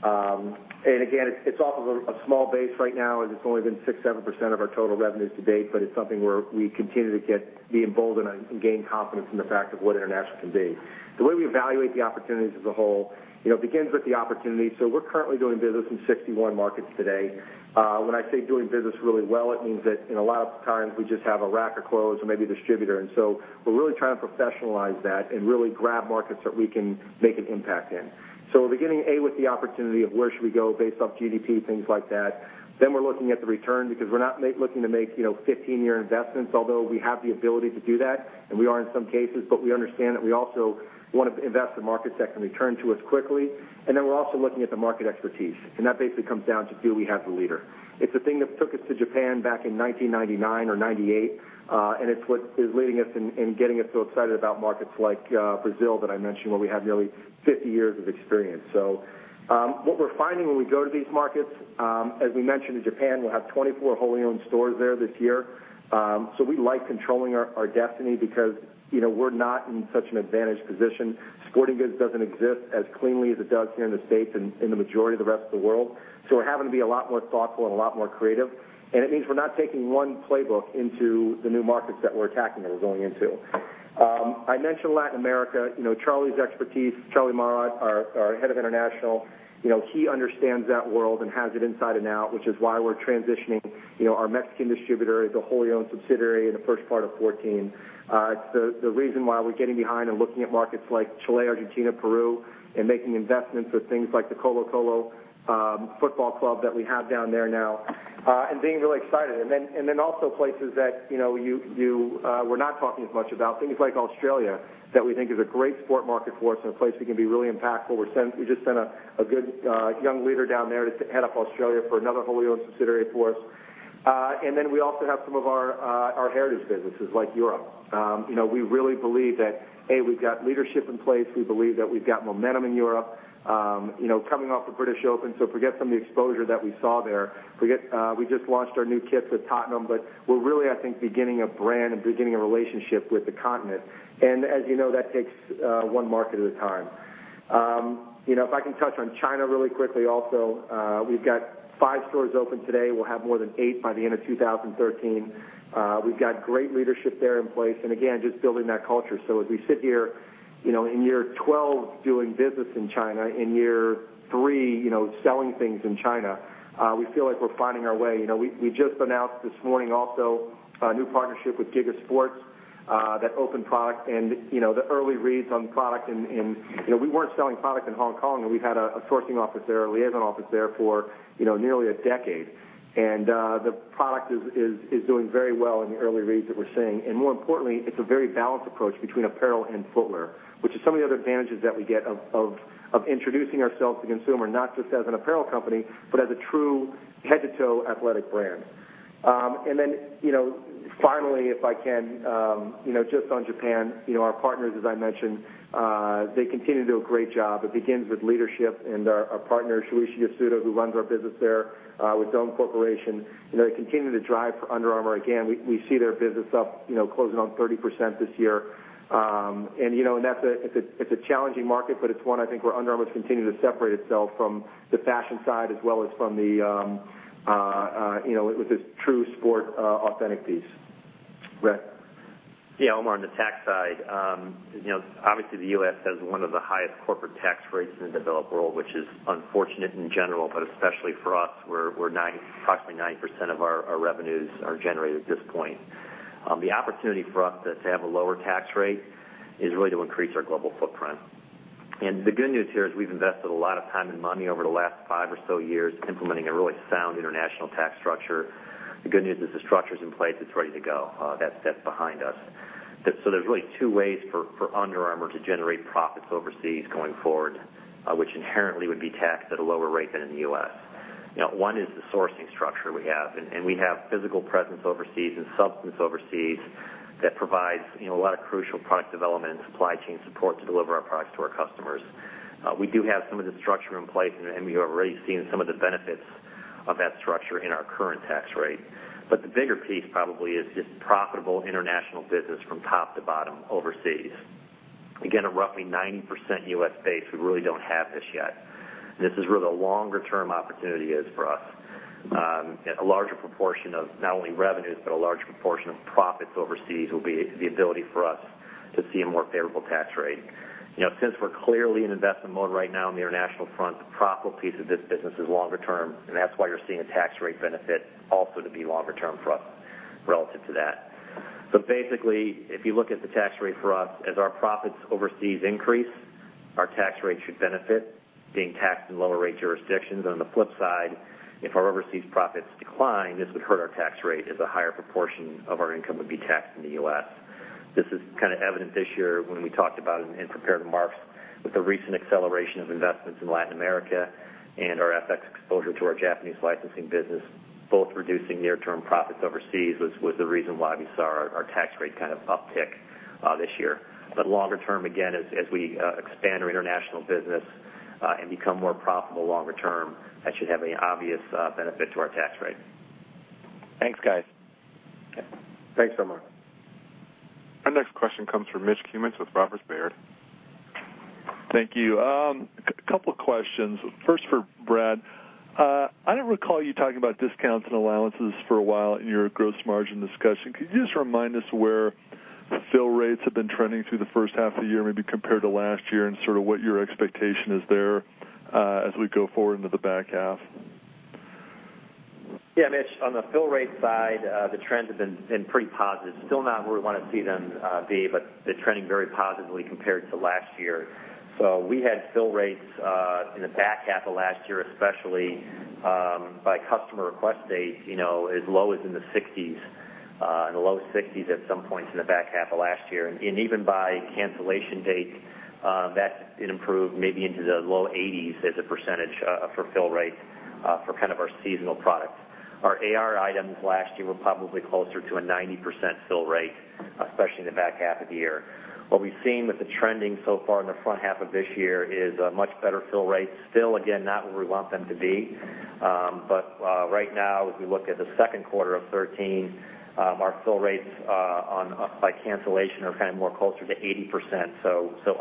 Again, it's off of a small base right now, as it's only been 6%, 7% of our total revenues to date, but it's something where we continue to get emboldened and gain confidence in the fact of what international can be. We evaluate the opportunities as a whole. It begins with the opportunity. We're currently doing business in 61 markets today. When I say doing business really well, it means that in a lot of times we just have a rack of clothes or maybe a distributor. We're really trying to professionalize that and really grab markets that we can make an impact in. Beginning, A, with the opportunity of where should we go based off GDP, things like that. We're looking at the return because we're not looking to make 15-year investments, although we have the ability to do that, and we are in some cases. We understand that we also want to invest in markets that can return to us quickly. We're also looking at the market expertise, and that basically comes down to do we have the leader. It's the thing that took us to Japan back in 1999 or 1998. It's what is leading us and getting us so excited about markets like Brazil that I mentioned, where we have nearly 50 years of experience. What we're finding when we go to these markets, as we mentioned in Japan, we'll have 24 wholly owned stores there this year. We like controlling our destiny because we're not in such an advantaged position. Sporting goods doesn't exist as cleanly as it does here in the U.S. and in the majority of the rest of the world. We're having to be a lot more thoughtful and a lot more creative. It means we're not taking one playbook into the new markets that we're attacking or going into. I mentioned Latin America. Charlie's expertise, Charlie Maurath, our head of international, he understands that world and has it inside and out, which is why we're transitioning our Mexican distributor as a wholly owned subsidiary in the first part of 2014. It's the reason why we're getting behind and looking at markets like Chile, Argentina, Peru. Making investments with things like the Colo-Colo football club that we have down there now. Being really excited. Also places that you were not talking as much about, things like Australia, that we think is a great sport market for us and a place we can be really impactful. We just sent a good young leader down there to head up Australia for another wholly owned subsidiary for us. We also have some of our heritage businesses like Europe. We really believe that, A, we've got leadership in place. We believe that we've got momentum in Europe coming off the British Open. Forget some of the exposure that we saw there. We just launched our new kit with Tottenham, we're really, I think, beginning a brand and beginning a relationship with the continent. As you know, that takes one market at a time. If I can touch on China really quickly also. We've got five stores open today. We'll have more than eight by the end of 2013. We've got great leadership there in place, again, just building that culture. As we sit here in year 12 doing business in China, in year three selling things in China, we feel like we're finding our way. We just announced this morning also a new partnership with GigaSports that opened product and the early reads on product. We weren't selling product in Hong Kong, and we've had a sourcing office there, a liaison office there for nearly a decade. The product is doing very well in the early reads that we're seeing. More importantly, it's a very balanced approach between apparel and footwear, which is some of the other advantages that we get of introducing ourselves to consumer, not just as an apparel company, but as a true head-to-toe athletic brand. Finally, if I can, just on Japan, our partners, as I mentioned, they continue to do a great job. It begins with leadership and our partner, Shuichi Yasuda, who runs our business there with Dome Corporation. They continue to drive for Under Armour. Again, we see their business up closing on 30% this year. It's a challenging market, but it's one I think where Under Armour's continued to separate itself from the fashion side as well as from the true sport authentic piece. Brad? Yeah, Omar, on the tax side. Obviously, the U.S. has one of the highest corporate tax rates in the developed world, which is unfortunate in general, but especially for us, where approximately 90% of our revenues are generated at this point. The opportunity for us to have a lower tax rate is really to increase our global footprint. The good news here is we've invested a lot of time and money over the last five or so years implementing a really sound international tax structure. The good news is the structure's in place, it's ready to go. That's behind us. There's really two ways for Under Armour to generate profits overseas going forward, which inherently would be taxed at a lower rate than in the U.S. One is the sourcing structure we have. We have physical presence overseas and substance overseas that provides a lot of crucial product development and supply chain support to deliver our products to our customers. We do have some of the structure in place, and we are already seeing some of the benefits of that structure in our current tax rate. The bigger piece probably is just profitable international business from top to bottom overseas. Again, a roughly 90% U.S. base, we really don't have this yet. This is where the longer-term opportunity is for us. A larger proportion of not only revenues, but a larger proportion of profits overseas will be the ability for us to see a more favorable tax rate. Since we're clearly in investment mode right now on the international front, the profit piece of this business is longer term, and that's why you're seeing a tax rate benefit also to be longer term for us relative to that. Basically, if you look at the tax rate for us, as our profits overseas increase, our tax rate should benefit, being taxed in lower rate jurisdictions. On the flip side, if our overseas profits decline, this would hurt our tax rate as a higher proportion of our income would be taxed in the U.S. This is kind of evident this year when we talked about it in prepared remarks with the recent acceleration of investments in Latin America and our FX exposure to our Japanese licensing business, both reducing near-term profits overseas was the reason why we saw our tax rate kind of uptick this year. Longer term, again, as we expand our international business and become more profitable longer term, that should have an obvious benefit to our tax rate. Thanks, guys. Okay. Thanks, Omar. Our next question comes from Mitch Kummetz with Robert W. Baird. Thank you. Couple of questions. First for Brad. I don't recall you talking about discounts and allowances for a while in your gross margin discussion. Could you just remind us where the fill rates have been trending through the first half of the year, maybe compared to last year, and what your expectation is there as we go forward into the back half? Yeah, Mitch, on the fill rate side, the trends have been pretty positive. Still not where we want to see them be, but they're trending very positively compared to last year. We had fill rates in the back half of last year especially, by customer request date, as low as in the 60s, in the low 60s at some points in the back half of last year. Even by cancellation date, that it improved maybe into the low 80s as a percentage for fill rates for our seasonal products. Our AR items last year were probably closer to a 90% fill rate, especially in the back half of the year. What we've seen with the trending so far in the front half of this year is much better fill rates. Still, again, not where we want them to be. Right now, if we look at the second quarter of 2013, our fill rates by cancellation are kind of more closer to 80%.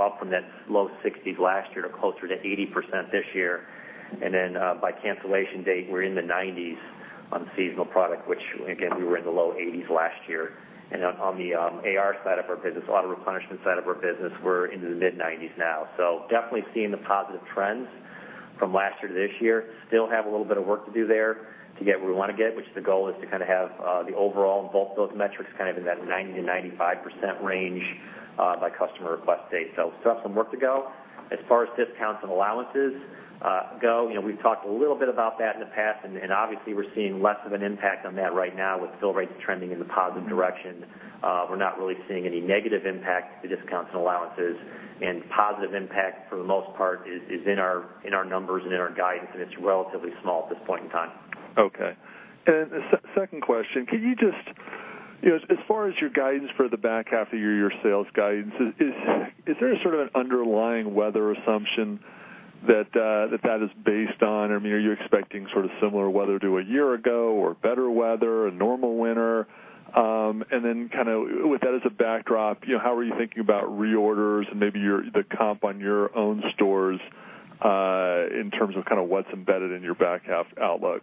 Up from that low 60s last year to closer to 80% this year. By cancellation date, we're in the 90s on seasonal product, which again, we were in the low 80s last year. On the AR side of our business, auto replenishment side of our business, we're into the mid-90s now. Definitely seeing the positive trends from last year to this year. Still have a little bit of work to do there to get where we want to get, which the goal is to have the overall, both those metrics in that 90%-95% range by customer request date. Still have some work to go. As far as discounts and allowances go, we've talked a little bit about that in the past. Obviously, we're seeing less of an impact on that right now with fill rates trending in the positive direction. We're not really seeing any negative impact to discounts and allowances. Positive impact, for the most part, is in our numbers and in our guidance, and it's relatively small at this point in time. Okay. The second question, as far as your guidance for the back half of the year, your sales guidance, is there a sort of an underlying weather assumption that that is based on? Are you expecting sort of similar weather to a year ago or better weather, a normal winter? With that as a backdrop, how are you thinking about reorders and maybe the comp on your own stores in terms of what's embedded in your back half outlook?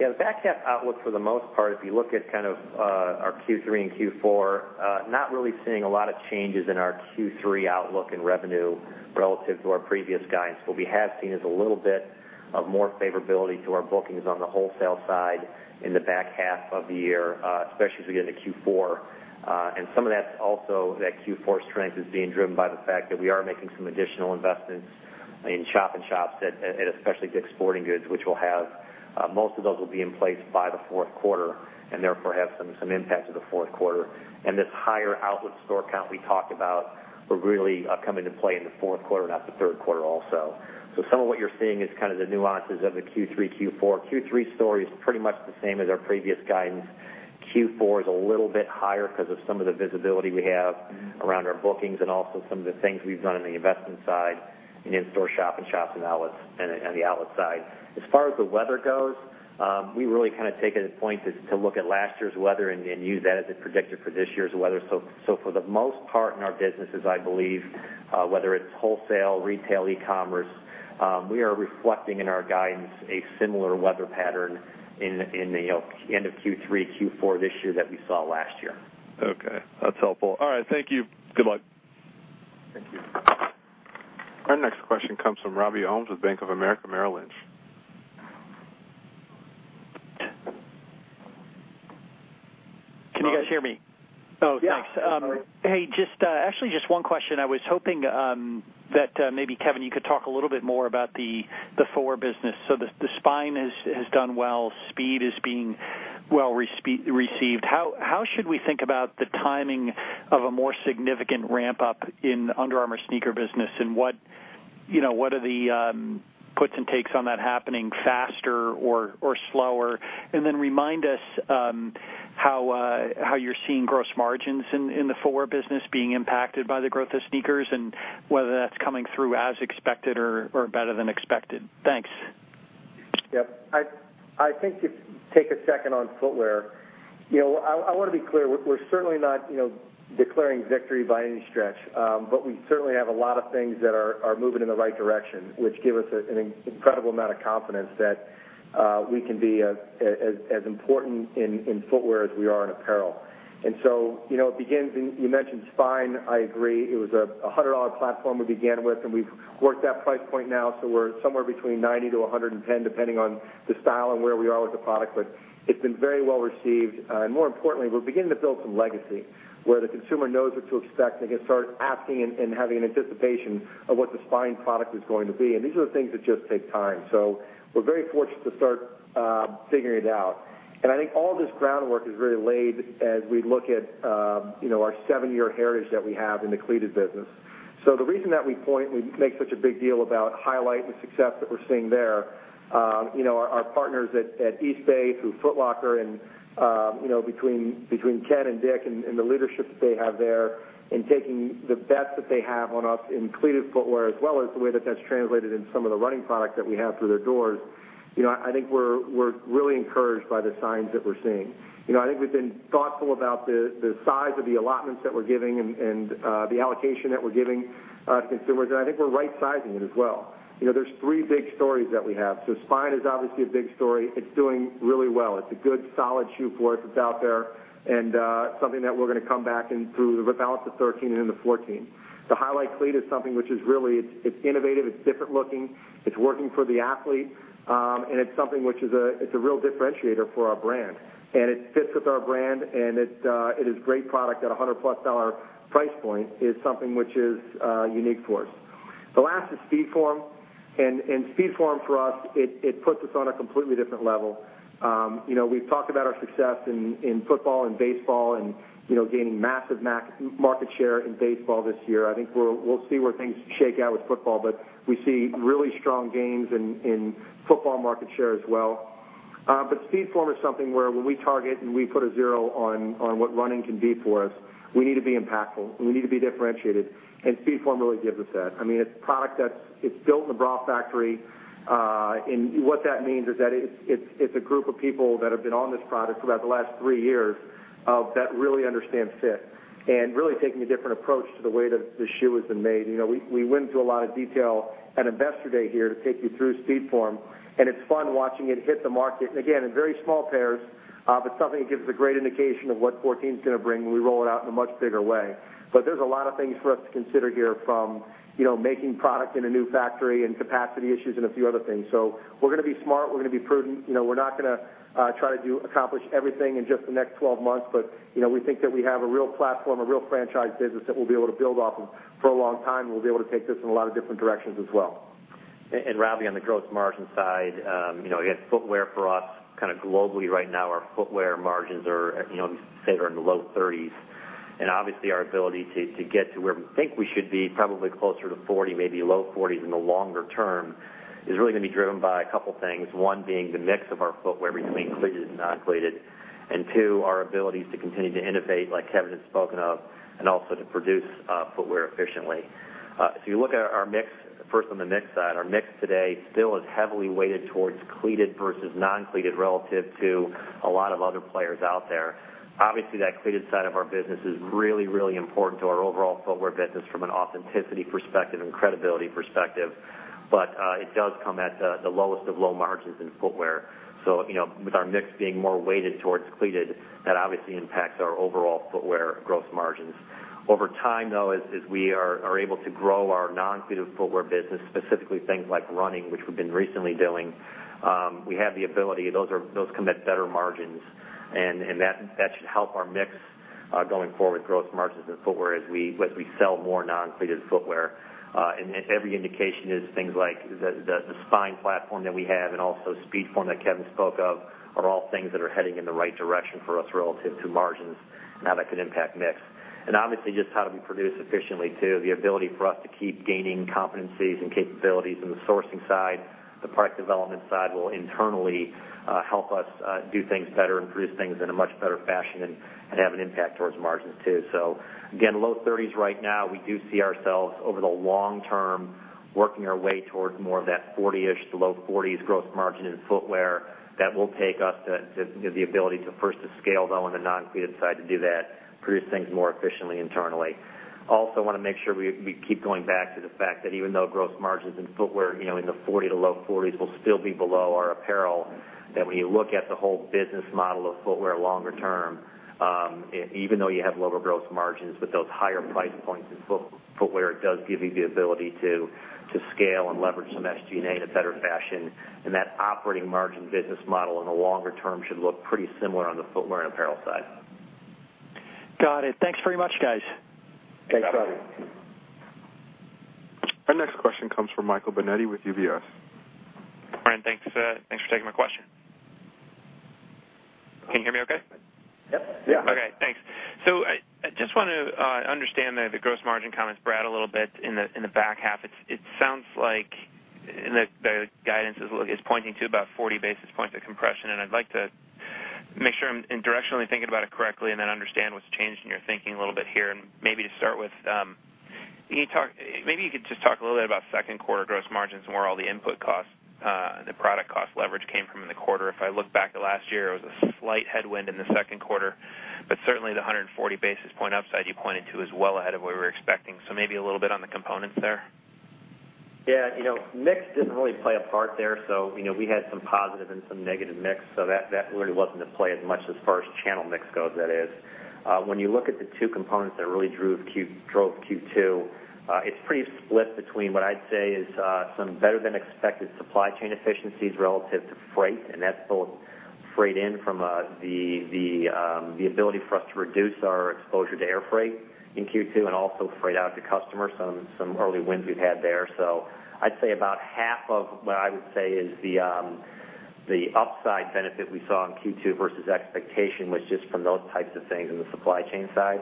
Yeah. The back half outlook for the most part, if you look at our Q3 and Q4, not really seeing a lot of changes in our Q3 outlook and revenue relative to our previous guidance. What we have seen is a little bit of more favorability to our bookings on the wholesale side in the back half of the year, especially as we get into Q4. Some of that also, that Q4 strength, is being driven by the fact that we are making some additional investments in shop-in-shops at especially Dick's Sporting Goods. Most of those will be in place by the fourth quarter and therefore have some impact to the fourth quarter. This higher outlet store count we talked about will really come into play in the fourth quarter, not the third quarter also. Some of what you're seeing is kind of the nuances of the Q3, Q4. Q3 story is pretty much the same as our previous guidance. Q4 is a little bit higher because of some of the visibility we have around our bookings and also some of the things we've done on the investment side and in store shop-in-shops and the outlet side. As far as the weather goes, we really kind of take it a point to look at last year's weather and use that as a predictor for this year's weather. For the most part in our businesses, I believe, whether it's wholesale, retail, e-commerce, we are reflecting in our guidance a similar weather pattern in the end of Q3, Q4 this year that we saw last year. Okay. That's helpful. All right. Thank you. Good luck. Thank you. Our next question comes from Robby Ohmes with Bank of America Merrill Lynch. Can you guys hear me? Yeah. Thanks. Actually, just one question. I was hoping that maybe, Kevin, you could talk a little bit more about the footwear business. The Spine has done well. Speedform is being well received. How should we think about the timing of a more significant ramp-up in Under Armour sneaker business and what are the puts and takes on that happening faster or slower? Remind us how you're seeing gross margins in the footwear business being impacted by the growth of sneakers and whether that's coming through as expected or better than expected. Thanks. Yep. I think if you take a second on footwear, I want to be clear, we're certainly not declaring victory by any stretch. We certainly have a lot of things that are moving in the right direction, which give us an incredible amount of confidence that we can be as important in footwear as we are in apparel. It begins, and you mentioned Spine, I agree. It was a $100 platform we began with, and we've worked that price point now, so we're somewhere between 90 to 110, depending on the style and where we are with the product. It's been very well received. More importantly, we're beginning to build some legacy where the consumer knows what to expect and can start asking and having an anticipation of what the Spine product is going to be. These are the things that just take time. We're very fortunate to start figuring it out. I think all this groundwork is really laid as we look at our seven-year heritage that we have in the cleated business. The reason that we make such a big deal about highlighting the success that we're seeing there, our partners at Eastbay, through Foot Locker, and between Ken and Dick and the leadership that they have there in taking the bets that they have on us in cleated footwear, as well as the way that that's translated in some of the running product that we have through their doors I think we're really encouraged by the signs that we're seeing. I think we've been thoughtful about the size of the allotments that we're giving and the allocation that we're giving consumers, and I think we're right-sizing it as well. There's three big stories that we have. Spine is obviously a big story. It's doing really well. It's a good, solid shoe for us. It's out there, and something that we're going to come back and through the balance of 2013 and into 2014. The Highlight cleat is something which is really innovative. It's different looking. It's working for the athlete. It's something which is a real differentiator for our brand, and it fits with our brand, and it is a great product at a $100+ price point is something which is unique for us. The last is Speedform. Speedform for us, it puts us on a completely different level. We've talked about our success in football and baseball and gaining massive market share in baseball this year. I think we'll see where things shake out with football. We see really strong gains in football market share as well. Speedform is something where when we target and we put a zero on what running can be for us, we need to be impactful. We need to be differentiated. Speedform really gives us that. It's a product that's built in a bra factory. What that means is that it's a group of people that have been on this product for about the last three years that really understand fit, really taking a different approach to the way that the shoe has been made. We went into a lot of detail at Investor Day here to take you through Speedform. It's fun watching it hit the market. Again, in very small pairs, something that gives a great indication of what 2014's going to bring when we roll it out in a much bigger way. There's a lot of things for us to consider here from making product in a new factory and capacity issues and a few other things. We're going to be smart. We're going to be prudent. We're not going to try to accomplish everything in just the next 12 months. We think that we have a real platform, a real franchise business that we'll be able to build off of for a long time. We'll be able to take this in a lot of different directions as well. Robby, on the gross margin side, again, footwear for us, globally right now, our footwear margins are, as you said, are in the low 30s. Obviously, our ability to get to where we think we should be, probably closer to 40%, maybe low 40s in the longer term, is really going to be driven by a couple things. One being the mix of our footwear between cleated and non-cleated. Two, our abilities to continue to innovate, like Kevin has spoken of, also to produce footwear efficiently. If you look at our mix, first on the mix side, our mix today still is heavily weighted towards cleated versus non-cleated relative to a lot of other players out there. Obviously, that cleated side of our business is really, really important to our overall footwear business from an authenticity perspective and credibility perspective. It does come at the lowest of low margins in footwear. With our mix being more weighted towards cleated, that obviously impacts our overall footwear gross margins. Over time, though, as we are able to grow our non-cleated footwear business, specifically things like running, which we've been recently doing, we have the ability. Those come at better margins. That should help our mix, going forward, gross margins in footwear as we sell more non-cleated footwear. Every indication is things like the UA Spine platform that we have, also Speedform that Kevin spoke of, are all things that are heading in the right direction for us relative to margins and how that could impact mix. Obviously, just how do we produce efficiently, too. The ability for us to keep gaining competencies and capabilities in the sourcing side, the product development side, will internally help us do things better and produce things in a much better fashion and have an impact towards margins, too. Again, low 30s right now. We do see ourselves, over the long term, working our way towards more of that 40ish to low 40s gross margin in footwear. That will take us the ability to first to scale, though, on the non-cleated side to do that, produce things more efficiently internally. Also want to make sure we keep going back to the fact that even though gross margins in footwear in the 40% to low 40s will still be below our apparel, that when you look at the whole business model of footwear longer term, even though you have lower gross margins with those higher price points in footwear, it does give you the ability to scale and leverage some SG&A in a better fashion. That operating margin business model in the longer term should look pretty similar on the footwear and apparel side. Got it. Thanks very much, guys. Thanks, Robby. Thanks. Our next question comes from Michael Binetti with UBS. Brad, thanks for taking my question. Can you hear me okay? Yep. Yeah. Okay, thanks. I just want to understand the gross margin comments, Brad, a little bit in the back half. It sounds like the guidance is pointing to about 40 basis points of compression. I'd like to make sure I'm directionally thinking about it correctly. Then understand what's changed in your thinking a little bit here. Maybe to start with, maybe you could just talk a little bit about second quarter gross margins and where all the input costs and the product cost leverage came from in the quarter. If I look back at last year, it was a slight headwind in the second quarter, certainly the 140 basis point upside you pointed to is well ahead of what we were expecting. Maybe a little bit on the components there. Yeah. Mix didn't really play a part there. We had some positive and some negative mix, that really wasn't at play as much as far as channel mix goes, that is. When you look at the two components that really drove Q2, it's pretty split between what I'd say is some better-than-expected supply chain efficiencies relative to freight, that's both freight in from the ability for us to reduce our exposure to air freight in Q2 and also freight out to customers. Some early wins we've had there. I'd say about half of what I would say is the upside benefit we saw in Q2 versus expectation was just from those types of things in the supply chain side.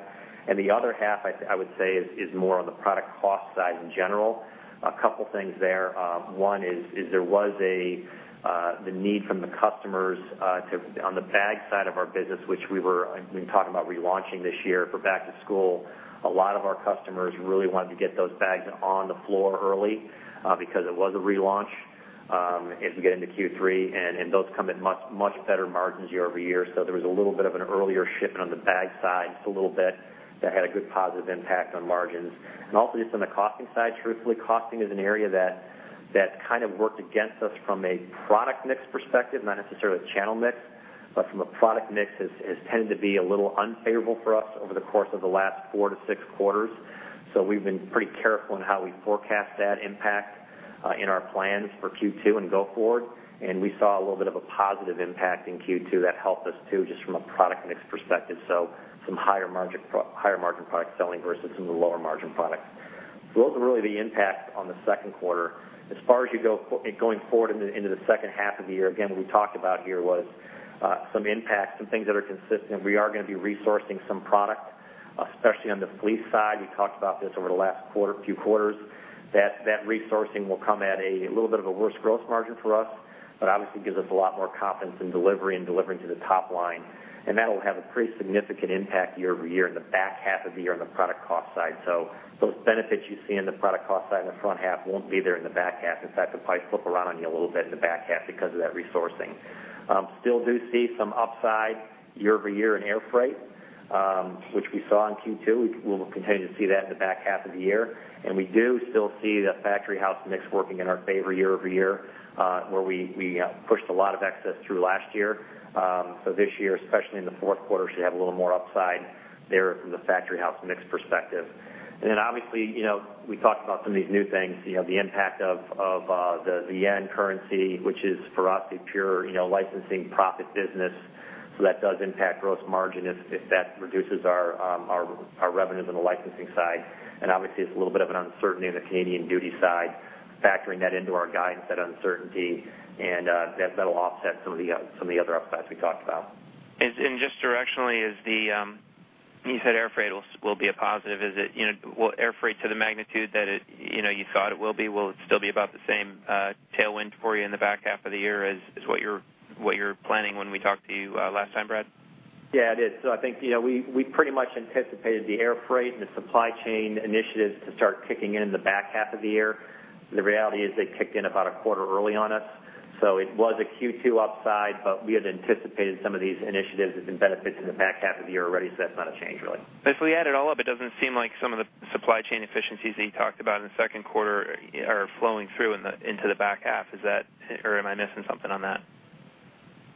The other half, I would say, is more on the product cost side in general. A couple things there. There was the need from the customers on the bag side of our business, which we've been talking about relaunching this year for back to school. A lot of our customers really wanted to get those bags on the floor early because it was a relaunch. As we get into Q3, those come at much better margins year-over-year. There was a little bit of an earlier shipment on the bag side, just a little bit, that had a good positive impact on margins. Also just on the costing side, truthfully, costing is an area that kind of worked against us from a product mix perspective, not necessarily a channel mix, but from a product mix has tended to be a little unfavorable for us over the course of the last four to six quarters. We've been pretty careful in how we forecast that impact in our plans for Q2 and go forward. We saw a little bit of a positive impact in Q2 that helped us too, just from a product mix perspective. Some higher margin product selling versus some of the lower margin products. Those are really the impacts on the second quarter. As far as going forward into the second half of the year, again, what we talked about here was some impacts, some things that are consistent. We are going to be resourcing some product, especially on the fleece side. We talked about this over the last few quarters, that that resourcing will come at a little bit of a worse gross margin for us, but obviously gives us a lot more confidence in delivery and delivering to the top line. That'll have a pretty significant impact year-over-year in the back half of the year on the product cost side. Those benefits you see on the product cost side in the front half won't be there in the back half. In fact, it'll probably flip around on you a little bit in the back half because of that resourcing. Still do see some upside year-over-year in air freight, which we saw in Q2. We will continue to see that in the back half of the year. We do still see the Factory House mix working in our favor year-over-year, where we pushed a lot of excess through last year. This year, especially in the fourth quarter, should have a little more upside there from the Factory House mix perspective. Obviously, we talked about some of these new things, the impact of the Japanese yen currency, which is for us a pure licensing profit business. That does impact gross margin if that reduces our revenues on the licensing side. Obviously, it's a little bit of an uncertainty on the Canadian duty side, factoring that into our guidance, that uncertainty, that'll offset some of the other upsides we talked about. Just directionally, you said air freight will be a positive. Will air freight to the magnitude that you thought it will be? Will it still be about the same tailwind for you in the back half of the year as what you were planning when we talked to you last time, Brad? Yeah, it is. I think we pretty much anticipated the air freight and the supply chain initiatives to start kicking in the back half of the year. The reality is they kicked in about a quarter early on us, so it was a Q2 upside, but we had anticipated some of these initiatives and benefits in the back half of the year already, so that's not a change really. If we add it all up, it doesn't seem like some of the supply chain efficiencies that you talked about in the second quarter are flowing through into the back half. Am I missing something on that?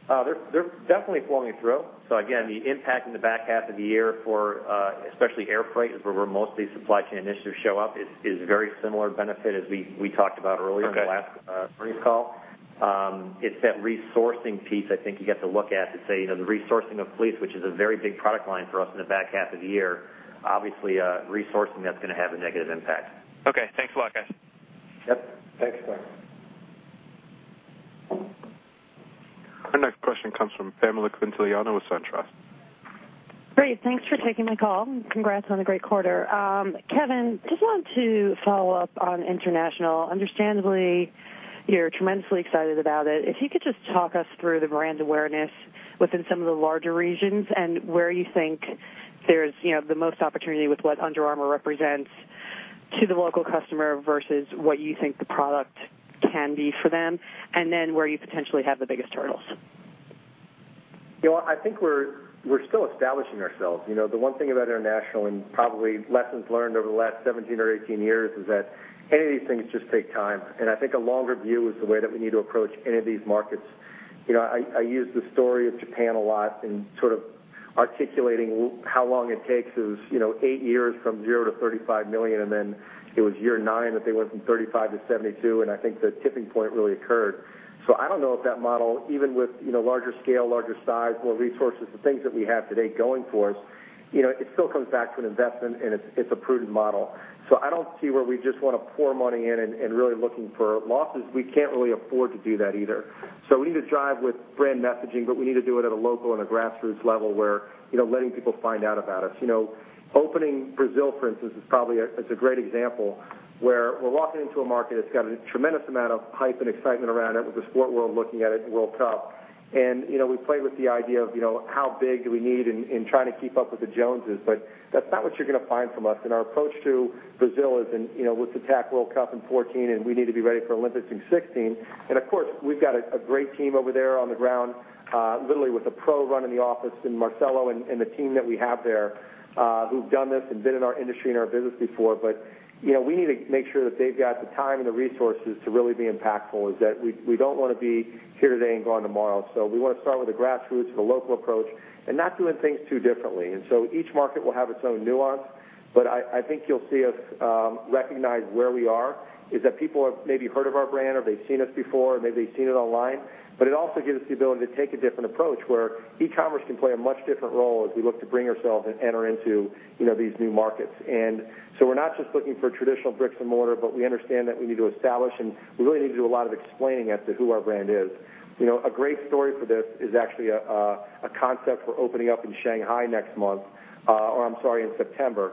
They're definitely flowing through. Again, the impact in the back half of the year for especially air freight is where mostly supply chain initiatives show up is a very similar benefit as we talked about earlier. Okay in the last earnings call. It's that resourcing piece, I think you have to look at to say, the resourcing of fleece, which is a very big product line for us in the back half of the year, obviously resourcing that's going to have a negative impact. Okay. Thanks a lot, guys. Yep. Thanks, Glenn. Our next question comes from Pamela Quintiliano with SunTrust. Great. Thanks for taking my call. Congrats on the great quarter. Kevin, just wanted to follow up on international. Understandably, you're tremendously excited about it. If you could just talk us through the brand awareness within some of the larger regions and where you think there's the most opportunity with what Under Armour represents to the local customer versus what you think the product can be for them, and then where you potentially have the biggest hurdles. I think we're still establishing ourselves. The one thing about international and probably lessons learned over the last 17 or 18 years is that any of these things just take time. I think a longer view is the way that we need to approach any of these markets. I use the story of Japan a lot in sort of articulating how long it takes is eight years from zero to $35 million, and then it was year nine that they went from $35 to $72, and I think the tipping point really occurred. I don't know if that model, even with larger scale, larger size, more resources, the things that we have today going for us, it still comes back to an investment and it's a prudent model. I don't see where we just want to pour money in and really looking for losses. We can't really afford to do that either. We need to drive with brand messaging, but we need to do it at a local and a grassroots level where letting people find out about us. Opening Brazil, for instance, it's a great example where we're walking into a market that's got a tremendous amount of hype and excitement around it with the sport world looking at it, World Cup. We played with the idea of how big do we need and trying to keep up with the Joneses. That's not what you're going to find from us, and our approach to Brazil is with the that World Cup in 2014, and we need to be ready for Olympics in 2016. Of course, we've got a great team over there on the ground literally with a pro running the office in Marcelo and the team that we have there who've done this and been in our industry and our business before. We need to make sure that they've got the time and the resources to really be impactful, is that we don't want to be here today and gone tomorrow. We want to start with a grassroots and a local approach and not doing things too differently. Each market will have its own nuance, but I think you'll see us recognize where we are is that people have maybe heard of our brand, or they've seen us before, or maybe they've seen it online. It also gives us the ability to take a different approach where e-commerce can play a much different role as we look to bring ourselves and enter into these new markets. We're not just looking for traditional bricks and mortar, but we understand that we need to establish, and we really need to do a lot of explaining as to who our brand is. A great story for this is actually a concept we're opening up in Shanghai next month, or I'm sorry, in September.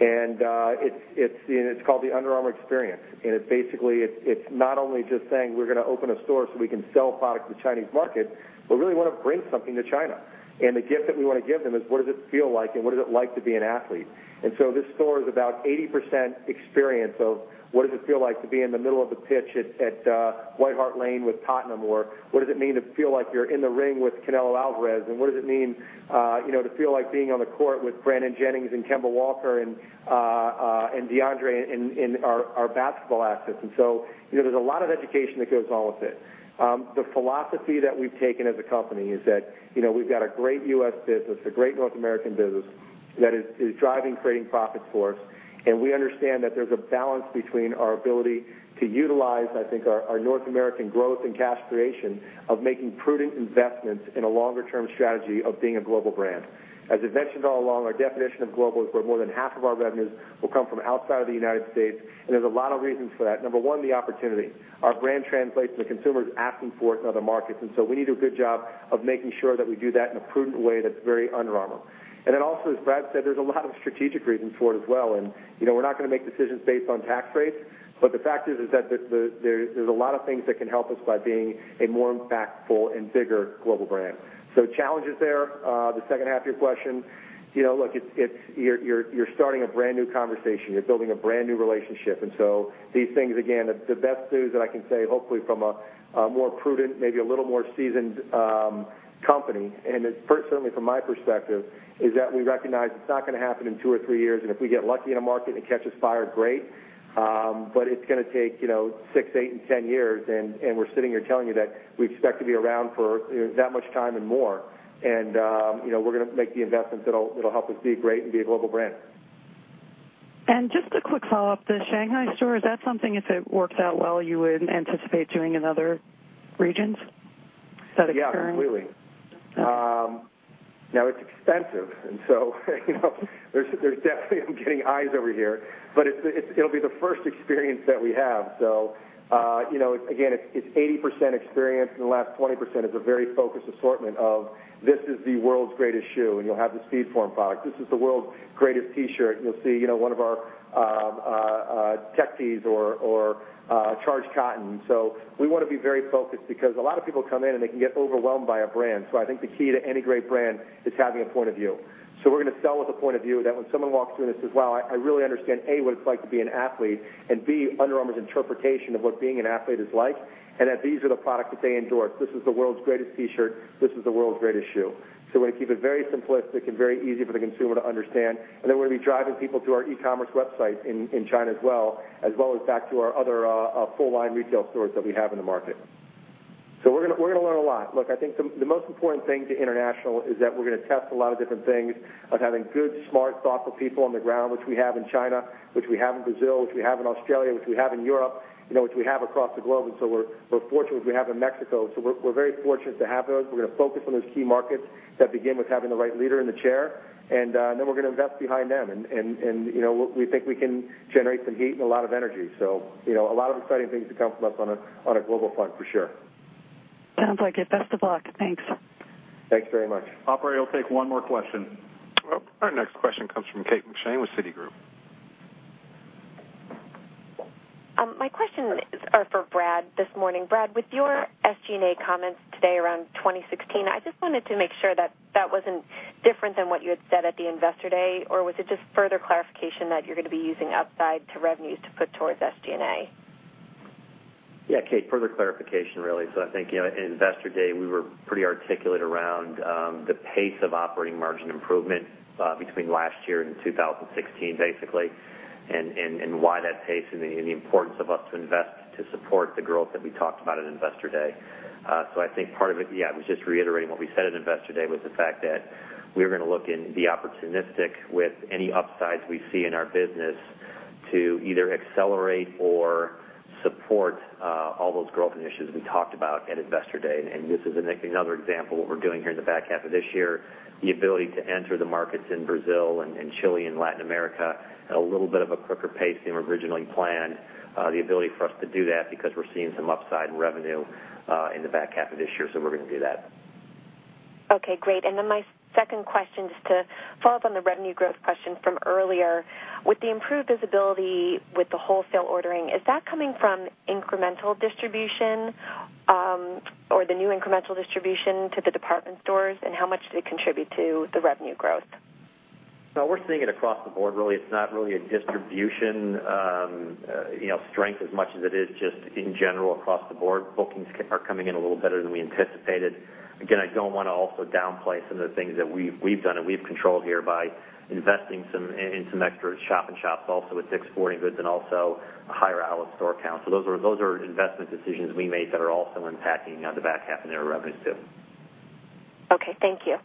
It's called the Under Armour Experience, and it's not only just saying we're going to open a store so we can sell product to the Chinese market, but really want to bring something to China. The gift that we want to give them is what does it feel like and what is it like to be an athlete? This store is about 80% experience of what does it feel like to be in the middle of the pitch at White Hart Lane with Tottenham, or what does it mean to feel like you're in the ring with Canelo Álvarez, and what does it mean to feel like being on the court with Brandon Jennings and Kemba Walker and DeAndre and our basketball athletes. There's a lot of education that goes along with it. The philosophy that we've taken as a company is that we've got a great U.S. business, a great North American business that is driving, creating profits for us. We understand that there's a balance between our ability to utilize, I think, our North American growth and cash creation of making prudent investments in a longer-term strategy of being a global brand. As I've mentioned all along, our definition of global is where more than half of our revenues will come from outside of the United States, and there's a lot of reasons for that. Number one, the opportunity. Our brand translates, and the consumer's asking for it in other markets. We need to do a good job of making sure that we do that in a prudent way that's very Under Armour. Also, as Brad said, there's a lot of strategic reasons for it as well. We're not going to make decisions based on tax rates, the fact is that there's a lot of things that can help us by being a more impactful and bigger global brand. Challenges there. The second half of your question, look, you're starting a brand-new conversation. You're building a brand-new relationship. These things, again, the best news that I can say, hopefully from a more prudent, maybe a little more seasoned company, and certainly from my perspective, is that we recognize it's not going to happen in two or three years, and if we get lucky in a market and it catches fire, great. It's going to take six, eight, and 10 years, and we're sitting here telling you that we expect to be around for that much time and more. We're going to make the investments that'll help us be great and be a global brand. Just a quick follow-up. The Shanghai store, is that something if it works out well, you would anticipate doing in other regions? Is that occurring? Yeah, completely. Okay. Now it's expensive, and so there's definitely, I'm getting eyes over here, but it'll be the first experience that we have. Again, it's 80% experience and the last 20% is a very focused assortment of, this is the world's greatest shoe, and you'll have the Speedform product. This is the world's greatest T-shirt, and you'll see one of our Tech tees or Charged Cotton. We want to be very focused because a lot of people come in, and they can get overwhelmed by a brand. I think the key to any great brand is having a point of view. We're going to sell with a point of view that when someone walks through and says, "Wow, I really understand, A, what it's like to be an athlete, and B, Under Armour's interpretation of what being an athlete is like, and that these are the products that they endorse. This is the world's greatest T-shirt. This is the world's greatest shoe." We're going to keep it very simplistic and very easy for the consumer to understand. Then we're going to be driving people to our e-commerce website in China as well, as well as back to our other full-line retail stores that we have in the market. We're going to learn a lot. Look, I think the most important thing to international is that we're going to test a lot of different things of having good, smart, thoughtful people on the ground, which we have in China, which we have in Brazil, which we have in Australia, which we have in Europe, which we have across the globe. We're fortunate, which we have in Mexico. We're very fortunate to have those. We're going to focus on those key markets that begin with having the right leader in the chair, then we're going to invest behind them. We think we can generate some heat and a lot of energy. A lot of exciting things to come from us on a global front, for sure. Sounds like it. Best of luck. Thanks. Thanks very much. Operator, I'll take one more question. Our next question comes from Kate McShane with Citigroup. My questions are for Brad this morning. Brad, with your SG&A comments today around 2016, I just wanted to make sure that that wasn't different than what you had said at the Investor Day, or was it just further clarification that you're going to be using upside to revenues to put towards SG&A? Yeah, Kate. Further clarification, really. I think at Investor Day, we were pretty articulate around the pace of operating margin improvement between last year and 2016, basically, and why that pace and the importance of us to invest to support the growth that we talked about at Investor Day. I think part of it, yeah, it was just reiterating what we said at Investor Day was the fact that we were going to look and be opportunistic with any upsides we see in our business to either accelerate or support all those growth initiatives we talked about at Investor Day. This is another example of what we're doing here in the back half of this year, the ability to enter the markets in Brazil and Chile and Latin America at a little bit of a quicker pace than we originally planned. The ability for us to do that because we're seeing some upside in revenue in the back half of this year. We're going to do that. Okay, great. My second question, just to follow up on the revenue growth question from earlier. With the improved visibility with the wholesale ordering, is that coming from incremental distribution or the new incremental distribution to the department stores, and how much does it contribute to the revenue growth? No, we're seeing it across the board, really. It's not really a distribution strength as much as it is just in general across the board. Bookings are coming in a little better than we anticipated. Again, I don't want to also downplay some of the things that we've done and we've controlled here by investing in some extra shop-in-shops also with Dick's Sporting Goods and also a higher outlet store count. Those are investment decisions we made that are also impacting on the back half of the year revenues, too. Okay. Thank you.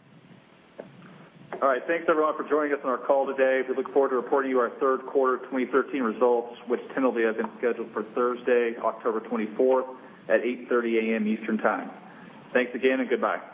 All right. Thanks, everyone, for joining us on our call today. We look forward to reporting you our third quarter 2013 results, which tentatively have been scheduled for Thursday, October 24th at 8:30 A.M. Eastern Time. Thanks again, and goodbye.